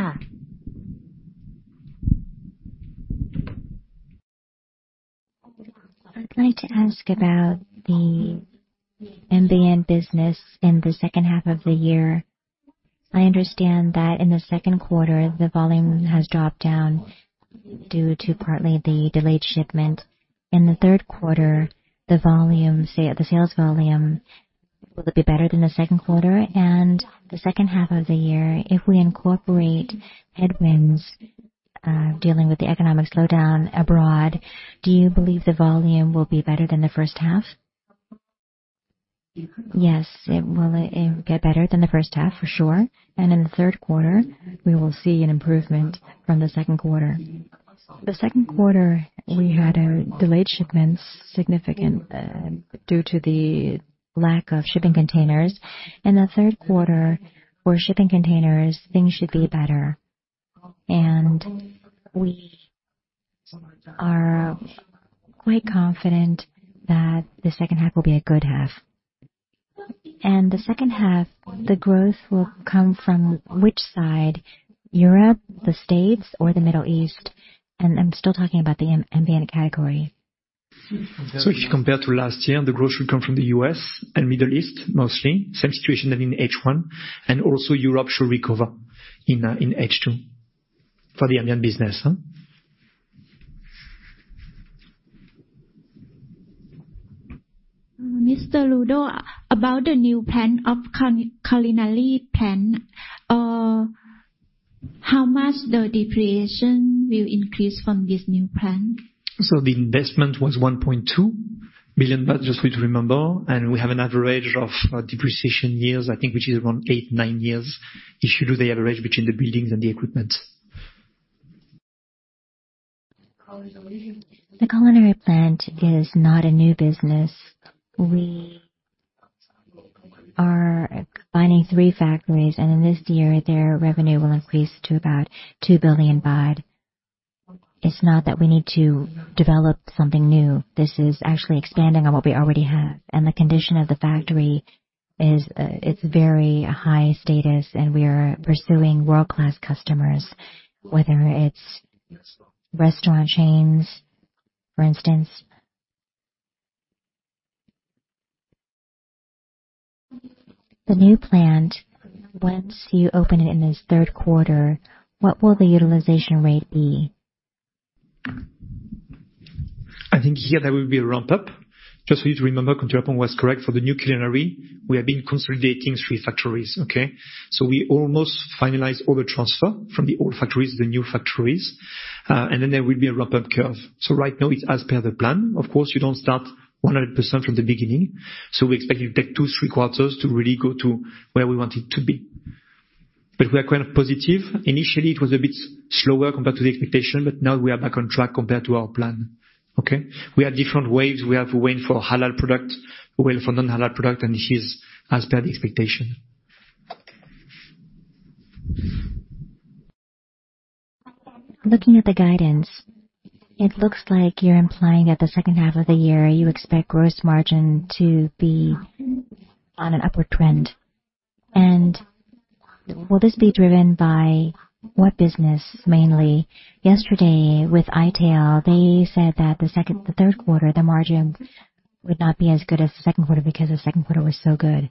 like to ask about the ambient business in the second half of the year. I understand that in the second quarter, the volume has dropped down due to partly the delayed shipment. In the third quarter, the volume, say, the sales volume, will it be better than the second quarter? And the second half of the year, if we incorporate headwinds, dealing with the economic slowdown abroad, do you believe the volume will be better than the first half? Yes, it will, it will get better than the first half, for sure. And in the third quarter, we will see an improvement from the second quarter. The second quarter, we had our delayed shipments significant, due to the lack of shipping containers. In the third quarter, for shipping containers, things should be better. We are quite confident that the second half will be a good half. The second half, the growth will come from which side? Europe, the States, or the Middle East? I'm still talking about the ambient category. So if you compare to last year, the growth should come from the U.S. and Middle East, mostly. Same situation than in H1, and also Europe should recover in H2 for the ambient business. Mr. Ludo, about the new plan of the culinary plant, how much the depreciation will increase from this new plant? So the investment was 1.2 billion baht, just for you to remember, and we have an average of depreciation years, I think, which is around eight-nine years, if you do the average between the buildings and the equipment. The culinary plant is not a new business. We are buying three factories, and in this year, their revenue will increase to about two billion baht. It's not that we need to develop something new. This is actually expanding on what we already have, and the condition of the factory is, it's very high status, and we are pursuing world-class customers, whether it's restaurant chains, for instance. The new plant, once you open it in this third quarter, what will the utilization rate be? I think here there will be a ramp-up. Just for you to remember, Kontrapong was correct, for the new culinary, we have been consolidating three factories, okay? So we almost finalized all the transfer from the old factories to the new factories, and then there will be a ramp-up curve. So right now it's as per the plan. Of course, you don't start 100% from the beginning, so we expect it'll take two, three quarters to really go to where we want it to be. But we are kind of positive. Initially, it was a bit slower compared to the expectation, but now we are back on track compared to our plan. Okay? We have different waves. We have a wave for halal product, a wave for non-halal product, and this is as per the expectation. Looking at the guidance, it looks like you're implying that the second half of the year, you expect gross margin to be on an upward trend. Will this be driven by what business, mainly? Yesterday, with ITEL, they said that the third quarter, the margin would not be as good as the second quarter because the second quarter was so good.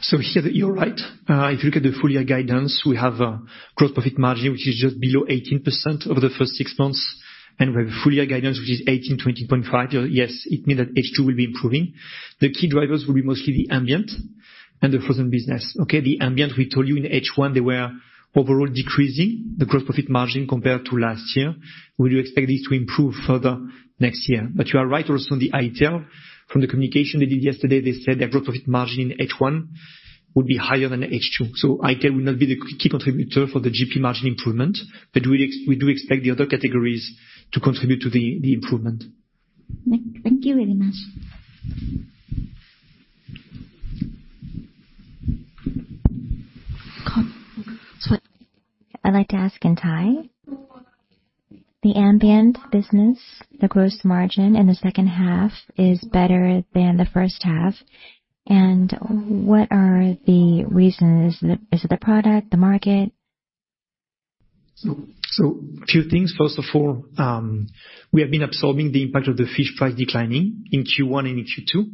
So here, you're right. If you look at the full year guidance, we have a gross profit margin, which is just below 18% over the first six months, and we have a full year guidance, which is 18%-20.5%. Yes, it means that H2 will be improving. The key drivers will be mostly the ambient and the frozen business, okay? The ambient, we told you in H1, they were overall decreasing, the gross profit margin compared to last year. We do expect this to improve further next year. But you are right also on the ITEL. From the communication they did yesterday, they said their gross profit margin in H1 would be higher than H2. So ITEL will not be the key contributor for the GP margin improvement, but we do expect the other categories to contribute to the improvement. Thank you very much. Go. Switch. I'd like to ask in Thai. The ambient business, the gross margin in the second half is better than the first half, and what are the reasons? Is it the product, the market? So, a few things. First of all, we have been absorbing the impact of the fish price declining in Q1 and in Q2.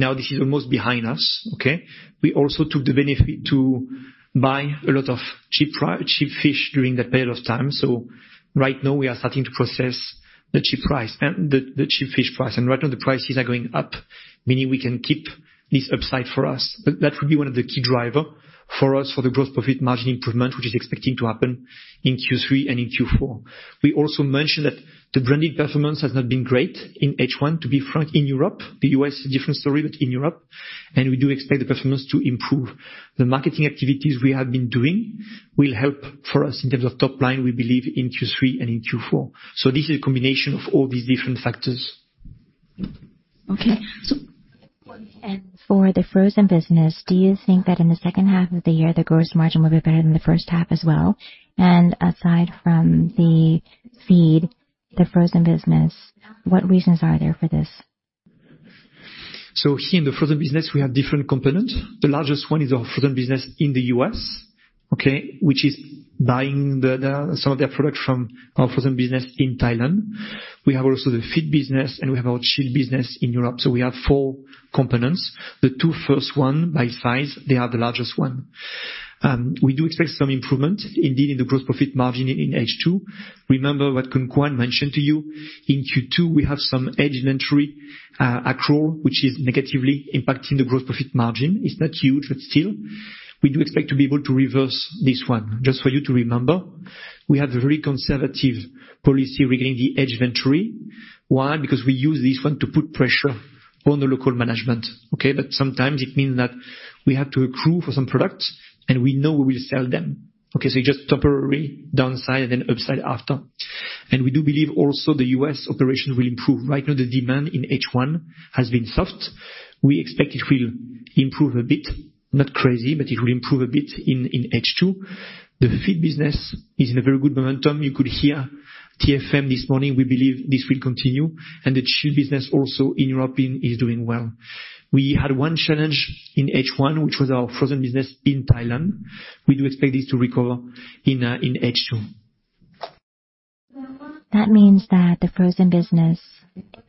Now this is almost behind us, okay? We also took the benefit to buy a lot of cheap fish during that period of time. So right now we are starting to process the cheap fish price. And right now the prices are going up, meaning we can keep this upside for us. But that would be one of the key driver for us for the gross profit margin improvement, which is expecting to happen in Q3 and in Q4. We also mentioned that the branded performance has not been great in H1, to be frank, in Europe. The US is a different story, but in Europe, and we do expect the performance to improve. The marketing activities we have been doing will help for us in terms of top line, we believe, in Q3 and in Q4. This is a combination of all these different factors. Okay, so- For the frozen business, do you think that in the second half of the year, the gross margin will be better than the first half as well? Aside from the frozen business, what reasons are there for this? So here in the frozen business, we have different components. The largest one is our frozen business in the U.S., okay, which is buying some of their products from our frozen business in Thailand. We have also the feed business, and we have our chilled business in Europe. So we have four components. The two first one, by size, they are the largest one. We do expect some improvement indeed, in the gross profit margin in H2. Remember what Khun Khwan mentioned to you, in Q2, we have some aged inventory accrual, which is negatively impacting the gross profit margin. It's not huge, but still, we do expect to be able to reverse this one. Just for you to remember, we have a very conservative policy regarding the aged inventory. Why? Because we use this one to put pressure on the local management, okay? But sometimes it means that we have to accrue for some products, and we know we will sell them, okay? So it's just temporary downside and then upside after. And we do believe also the US operation will improve. Right now, the demand in H1 has been soft. We expect it will improve a bit, not crazy, but it will improve a bit in H2. The feed business is in a very good momentum. You could hear TFM this morning. We believe this will continue, and the chilled business also in Europe is doing well. We had one challenge in H1, which was our frozen business in Thailand. We do expect this to recover in H2. That means that the frozen business,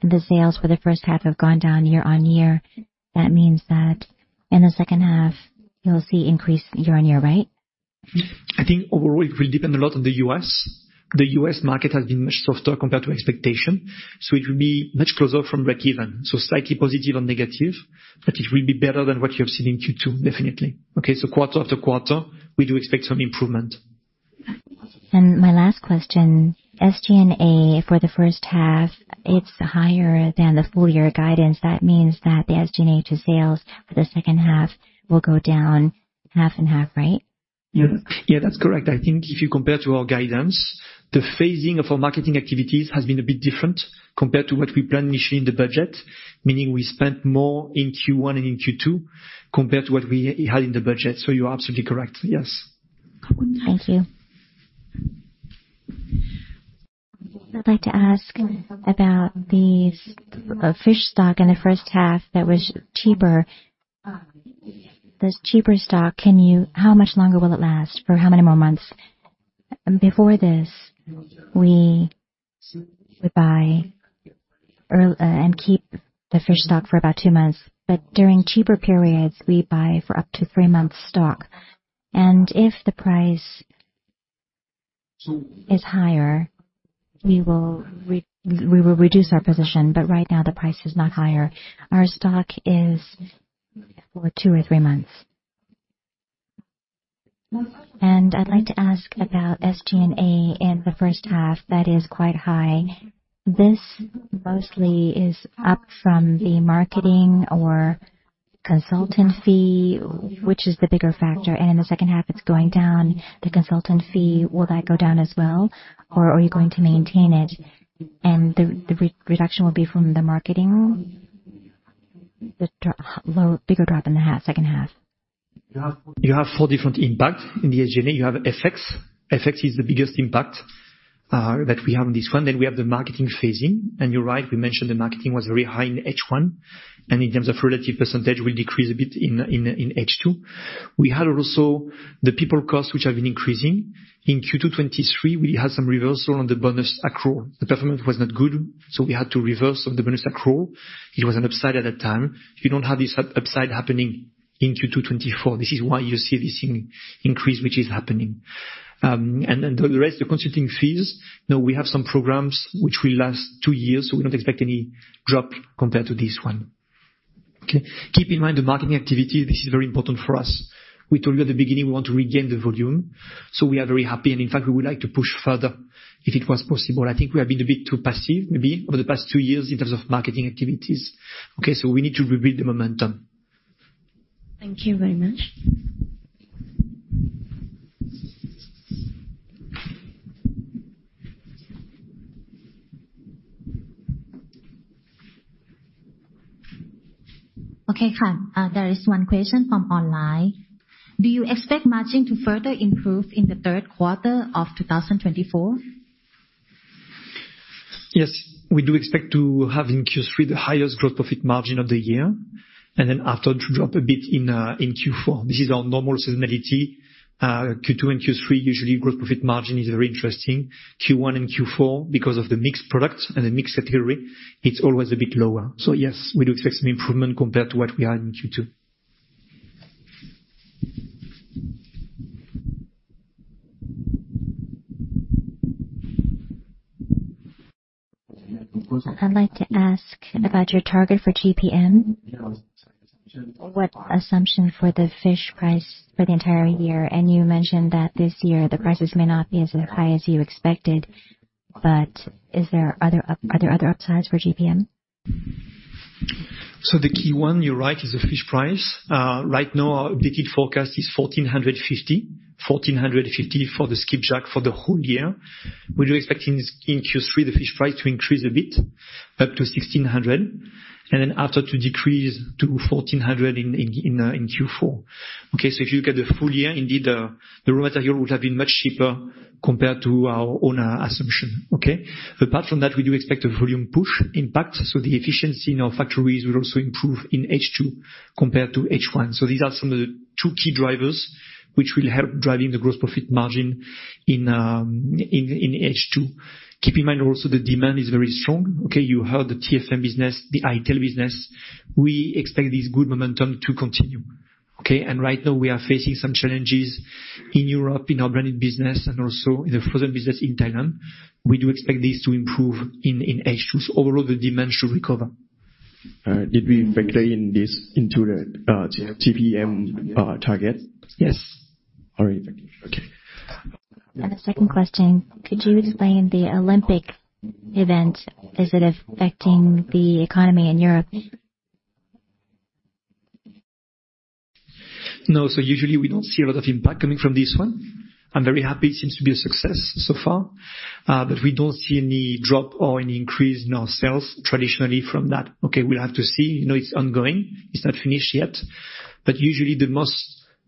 the sales for the first half have gone down year-on-year. That means that in the second half, you'll see increase year-on-year, right? I think overall, it will depend a lot on the U.S. The U.S. market has been much softer compared to expectation, so it will be much closer from breakeven, so slightly positive or negative, but it will be better than what you have seen in Q2, definitely, okay? So quarter after quarter, we do expect some improvement. My last question, SG&A for the first half, it's higher than the full year guidance. That means that the SG&A to sales for the second half will go down half and half, right? Yeah. Yeah, that's correct. I think if you compare to our guidance, the phasing of our marketing activities has been a bit different compared to what we planned initially in the budget. Meaning, we spent more in Q1 and in Q2 compared to what we had in the budget. So you're absolutely correct. Yes. Thank you. I'd like to ask about the fish stock in the first half that was cheaper. This cheaper stock, can you how much longer will it last, for how many more months? Before this, we would buy earlier and keep the fish stock for about two months, but during cheaper periods, we buy for up to three months stock. And if the price is higher, we will reduce our position, but right now the price is not higher. Our stock is for two or three months. And I'd like to ask about SG&A in the first half. That is quite high. This mostly is up from the marketing or consultant fee, which is the bigger factor, and in the second half, it's going down. The consultant fee, will that go down as well, or are you going to maintain it, and the reduction will be from the marketing? The bigger drop in the second half. You have four different impacts in the SG&A. You have FX. FX is the biggest impact that we have on this one. Then we have the marketing phasing. And you're right, we mentioned the marketing was very high in H1, and in terms of relative percentage, will decrease a bit in H2. We had also the people costs, which have been increasing. In Q2 2023, we had some reversal on the bonus accrual. The performance was not good, so we had to reverse on the bonus accrual. It was an upside at that time. You don't have this upside happening in Q2 2024. This is why you see this increase, which is happening. And then the rest, the consulting fees, now we have some programs which will last two years, so we don't expect any drop compared to this one. Okay. Keep in mind, the marketing activity, this is very important for us. We told you at the beginning, we want to regain the volume, so we are very happy, and in fact, we would like to push further if it was possible. I think we have been a bit too passive maybe over the past two years in terms of marketing activities, okay? We need to rebuild the momentum. Thank you very much. Okay, there is one question from online: Do you expect margin to further improve in the third quarter of 2024? Yes, we do expect to have in Q3 the highest gross profit margin of the year, and then after to drop a bit in Q4. This is our normal seasonality. Q2 and Q3, usually gross profit margin is very interesting. Q1 and Q4, because of the mixed products and the mixed category, it's always a bit lower. So yes, we do expect some improvement compared to what we had in Q2. I'd like to ask about your target for GPM. What assumption for the fish price for the entire year? And you mentioned that this year, the prices may not be as high as you expected, but are there other upsides for GPM? So the key one, you're right, is the fish price. Right now, our updated forecast is $1,450 for the skipjack for the whole year. We were expecting this in Q3, the fish price to increase a bit up to $1,600, and then after to decrease to $1,400 in Q4. Okay, so if you look at the full year, indeed, the raw material would have been much cheaper compared to our own assumption, okay? Apart from that, we do expect a volume push impact, so the efficiency in our factories will also improve in H2 compared to H1. So these are some of the two key drivers which will help driving the gross profit margin in H2. Keep in mind also, the demand is very strong, okay? You heard the TFM business, the ITEL business. We expect this good momentum to continue, okay? And right now we are facing some challenges in Europe, in our branded business and also in the frozen business in Thailand. We do expect this to improve in H2, so overall, the demand should recover. Did we factor in this into the GPM target? Yes. All right. Okay. The second question: Could you explain the Olympic event, is it affecting the economy in Europe? No. So usually we don't see a lot of impact coming from this one. I'm very happy, it seems to be a success so far, but we don't see any drop or any increase in our sales traditionally from that. Okay, we'll have to see. You know, it's ongoing. It's not finished yet, but usually the most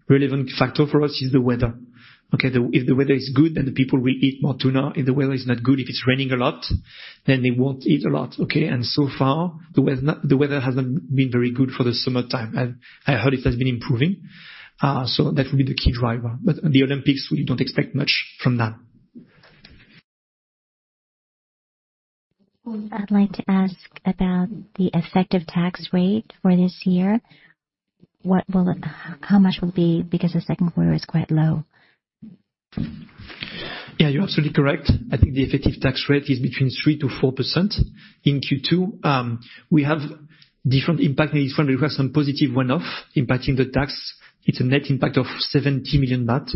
relevant factor for us is the weather. Okay, if the weather is good, then the people will eat more tuna. If the weather is not good, if it's raining a lot, then they won't eat a lot, okay? And so far, the weather hasn't been very good for the summertime. I've heard it has been improving, so that will be the key driver. But the Olympics, we don't expect much from that. I'd like to ask about the effective tax rate for this year. What will it be? How much will it be? Because the second quarter is quite low. Yeah, you're absolutely correct. I think the effective tax rate is between 3%-4% in Q2. We have different impact than this one. We have some positive one-off impacting the tax. It's a net impact of 70 million baht.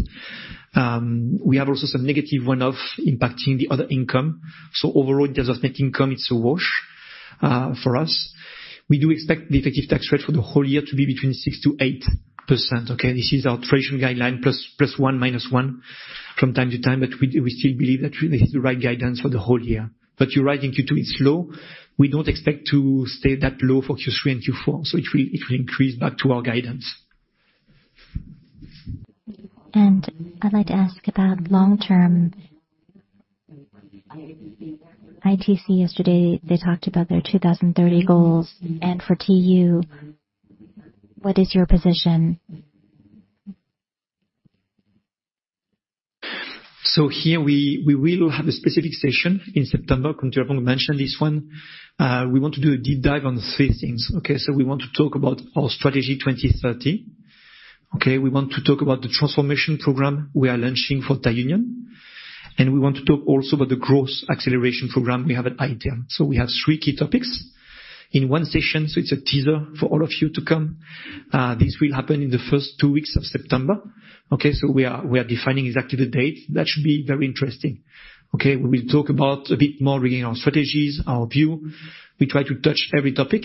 We have also some negative one-off impacting the other income. So overall, in terms of net income, it's a wash, for us. We do expect the effective tax rate for the whole year to be between 6%-8%, okay? This is our traditional guideline, plus, plus +1,-1 from time to time, but we, we still believe that this is the right guidance for the whole year. But you're right, in Q2, it's low. We don't expect to stay that low for Q3 and Q4, so it will, it will increase back to our guidance. I'd like to ask about long-term. ITC yesterday, they talked about their 2030 goals, and for TU, what is your position? So here we will have a specific session in September. Khun Thiraphong mentioned this one. We want to do a deep dive on three things, okay? So we want to talk about our strategy 2030, okay? We want to talk about the transformation program we are launching for Thai Union, and we want to talk also about the growth acceleration program we have at ITM. So we have three key topics in one session, so it's a teaser for all of you to come. This will happen in the first two weeks of September, okay? So we are defining exactly the date. That should be very interesting, okay? We will talk about a bit more regarding our strategies, our view. We try to touch every topic.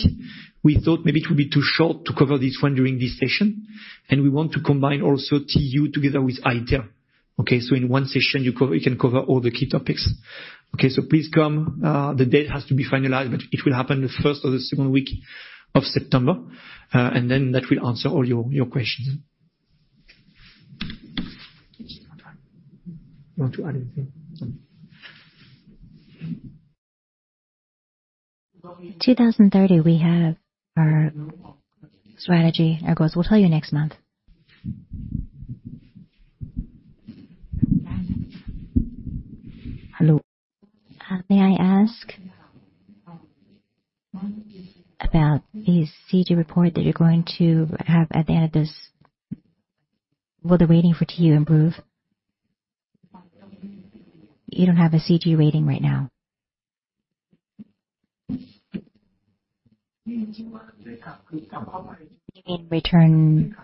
We thought maybe it would be too short to cover this one during this session, and we want to combine also TU together with ITM, okay? So in one session, we can cover all the key topics. Okay, so please come. The date has to be finalized, but it will happen the first or the second week of September, and then that will answer all your, your questions. You want to add anything? 2030, we have our strategy, our goals. We'll tell you next month. Hello. May I ask about the CG report that you're going to have at the end of this? Will the rating for TU improve? You don't have a CG rating right now. You mean return?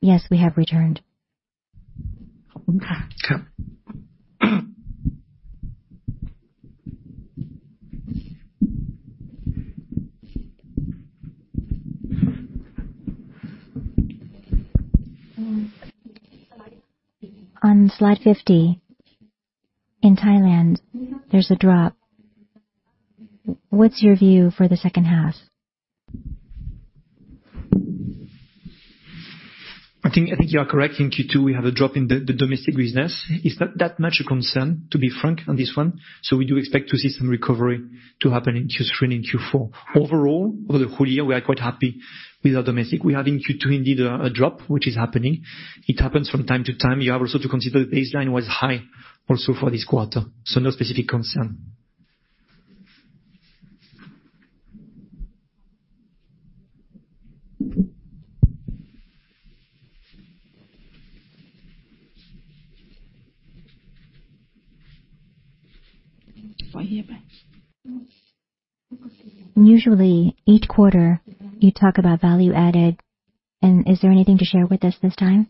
Yes, we have returned. On slide 50, in Thailand, there's a drop. What's your view for the second half? I think you are correct. In Q2, we have a drop in the domestic business. It's not that much a concern, to be frank on this one, so we do expect to see some recovery to happen in Q3 and Q4. Overall, over the whole year, we are quite happy with our domestic. We have in Q2, indeed, a drop which is happening. It happens from time to time. You have also to consider the baseline was high also for this quarter, so no specific concern. Usually, each quarter, you talk about value added, and is there anything to share with us this time?...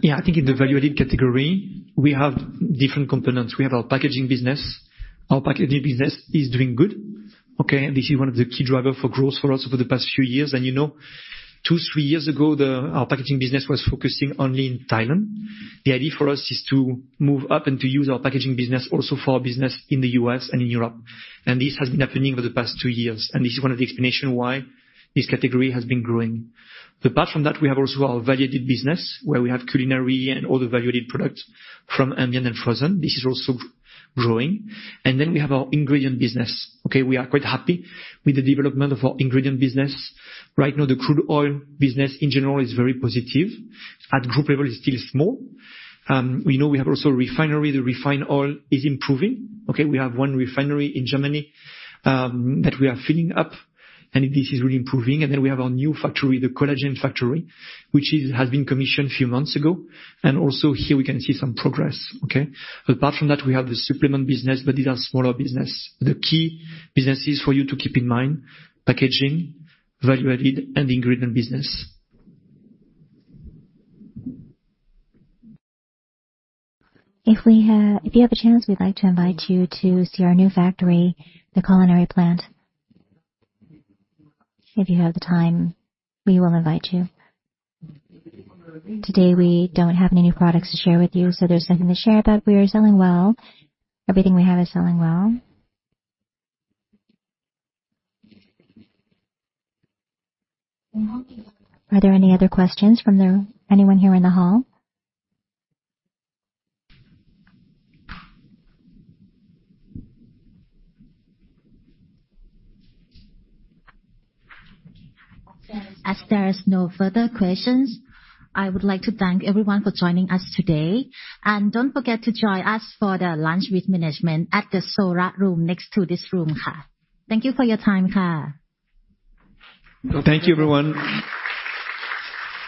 Yeah, I think in the value-added category, we have different components. We have our packaging business. Our packaging business is doing good, okay? And this is one of the key driver for growth for us over the past few years. And, you know, two, three years ago, our packaging business was focusing only in Thailand. The idea for us is to move up and to use our packaging business also for our business in the US and in Europe, and this has been happening over the past two years, and this is one of the explanation why this category has been growing. But apart from that, we have also our value-added business, where we have culinary and other value-added products from ambient and frozen. This is also growing. And then we have our ingredient business, okay? We are quite happy with the development of our ingredient business. Right now, the crude oil business in general is very positive. At group level, it's still small. We know we have also refinery. The refined oil is improving, okay? We have one refinery in Germany, that we are filling up, and this is really improving. And then we have our new factory, the collagen factory, which has been commissioned a few months ago. And also, here we can see some progress, okay? Apart from that, we have the supplement business, but these are smaller business. The key businesses for you to keep in mind: packaging, value-added, and ingredient business. If you have a chance, we'd like to invite you to see our new factory, the culinary plant. If you have the time, we will invite you. Today, we don't have any new products to share with you, so there's nothing to share. But we are selling well. Everything we have is selling well. Are there any other questions from anyone here in the hall? As there is no further questions, I would like to thank everyone for joining us today. Don't forget to join us for the lunch with management at the Sora room next to this room, ka. Thank you for your time, ka. Thank you, everyone.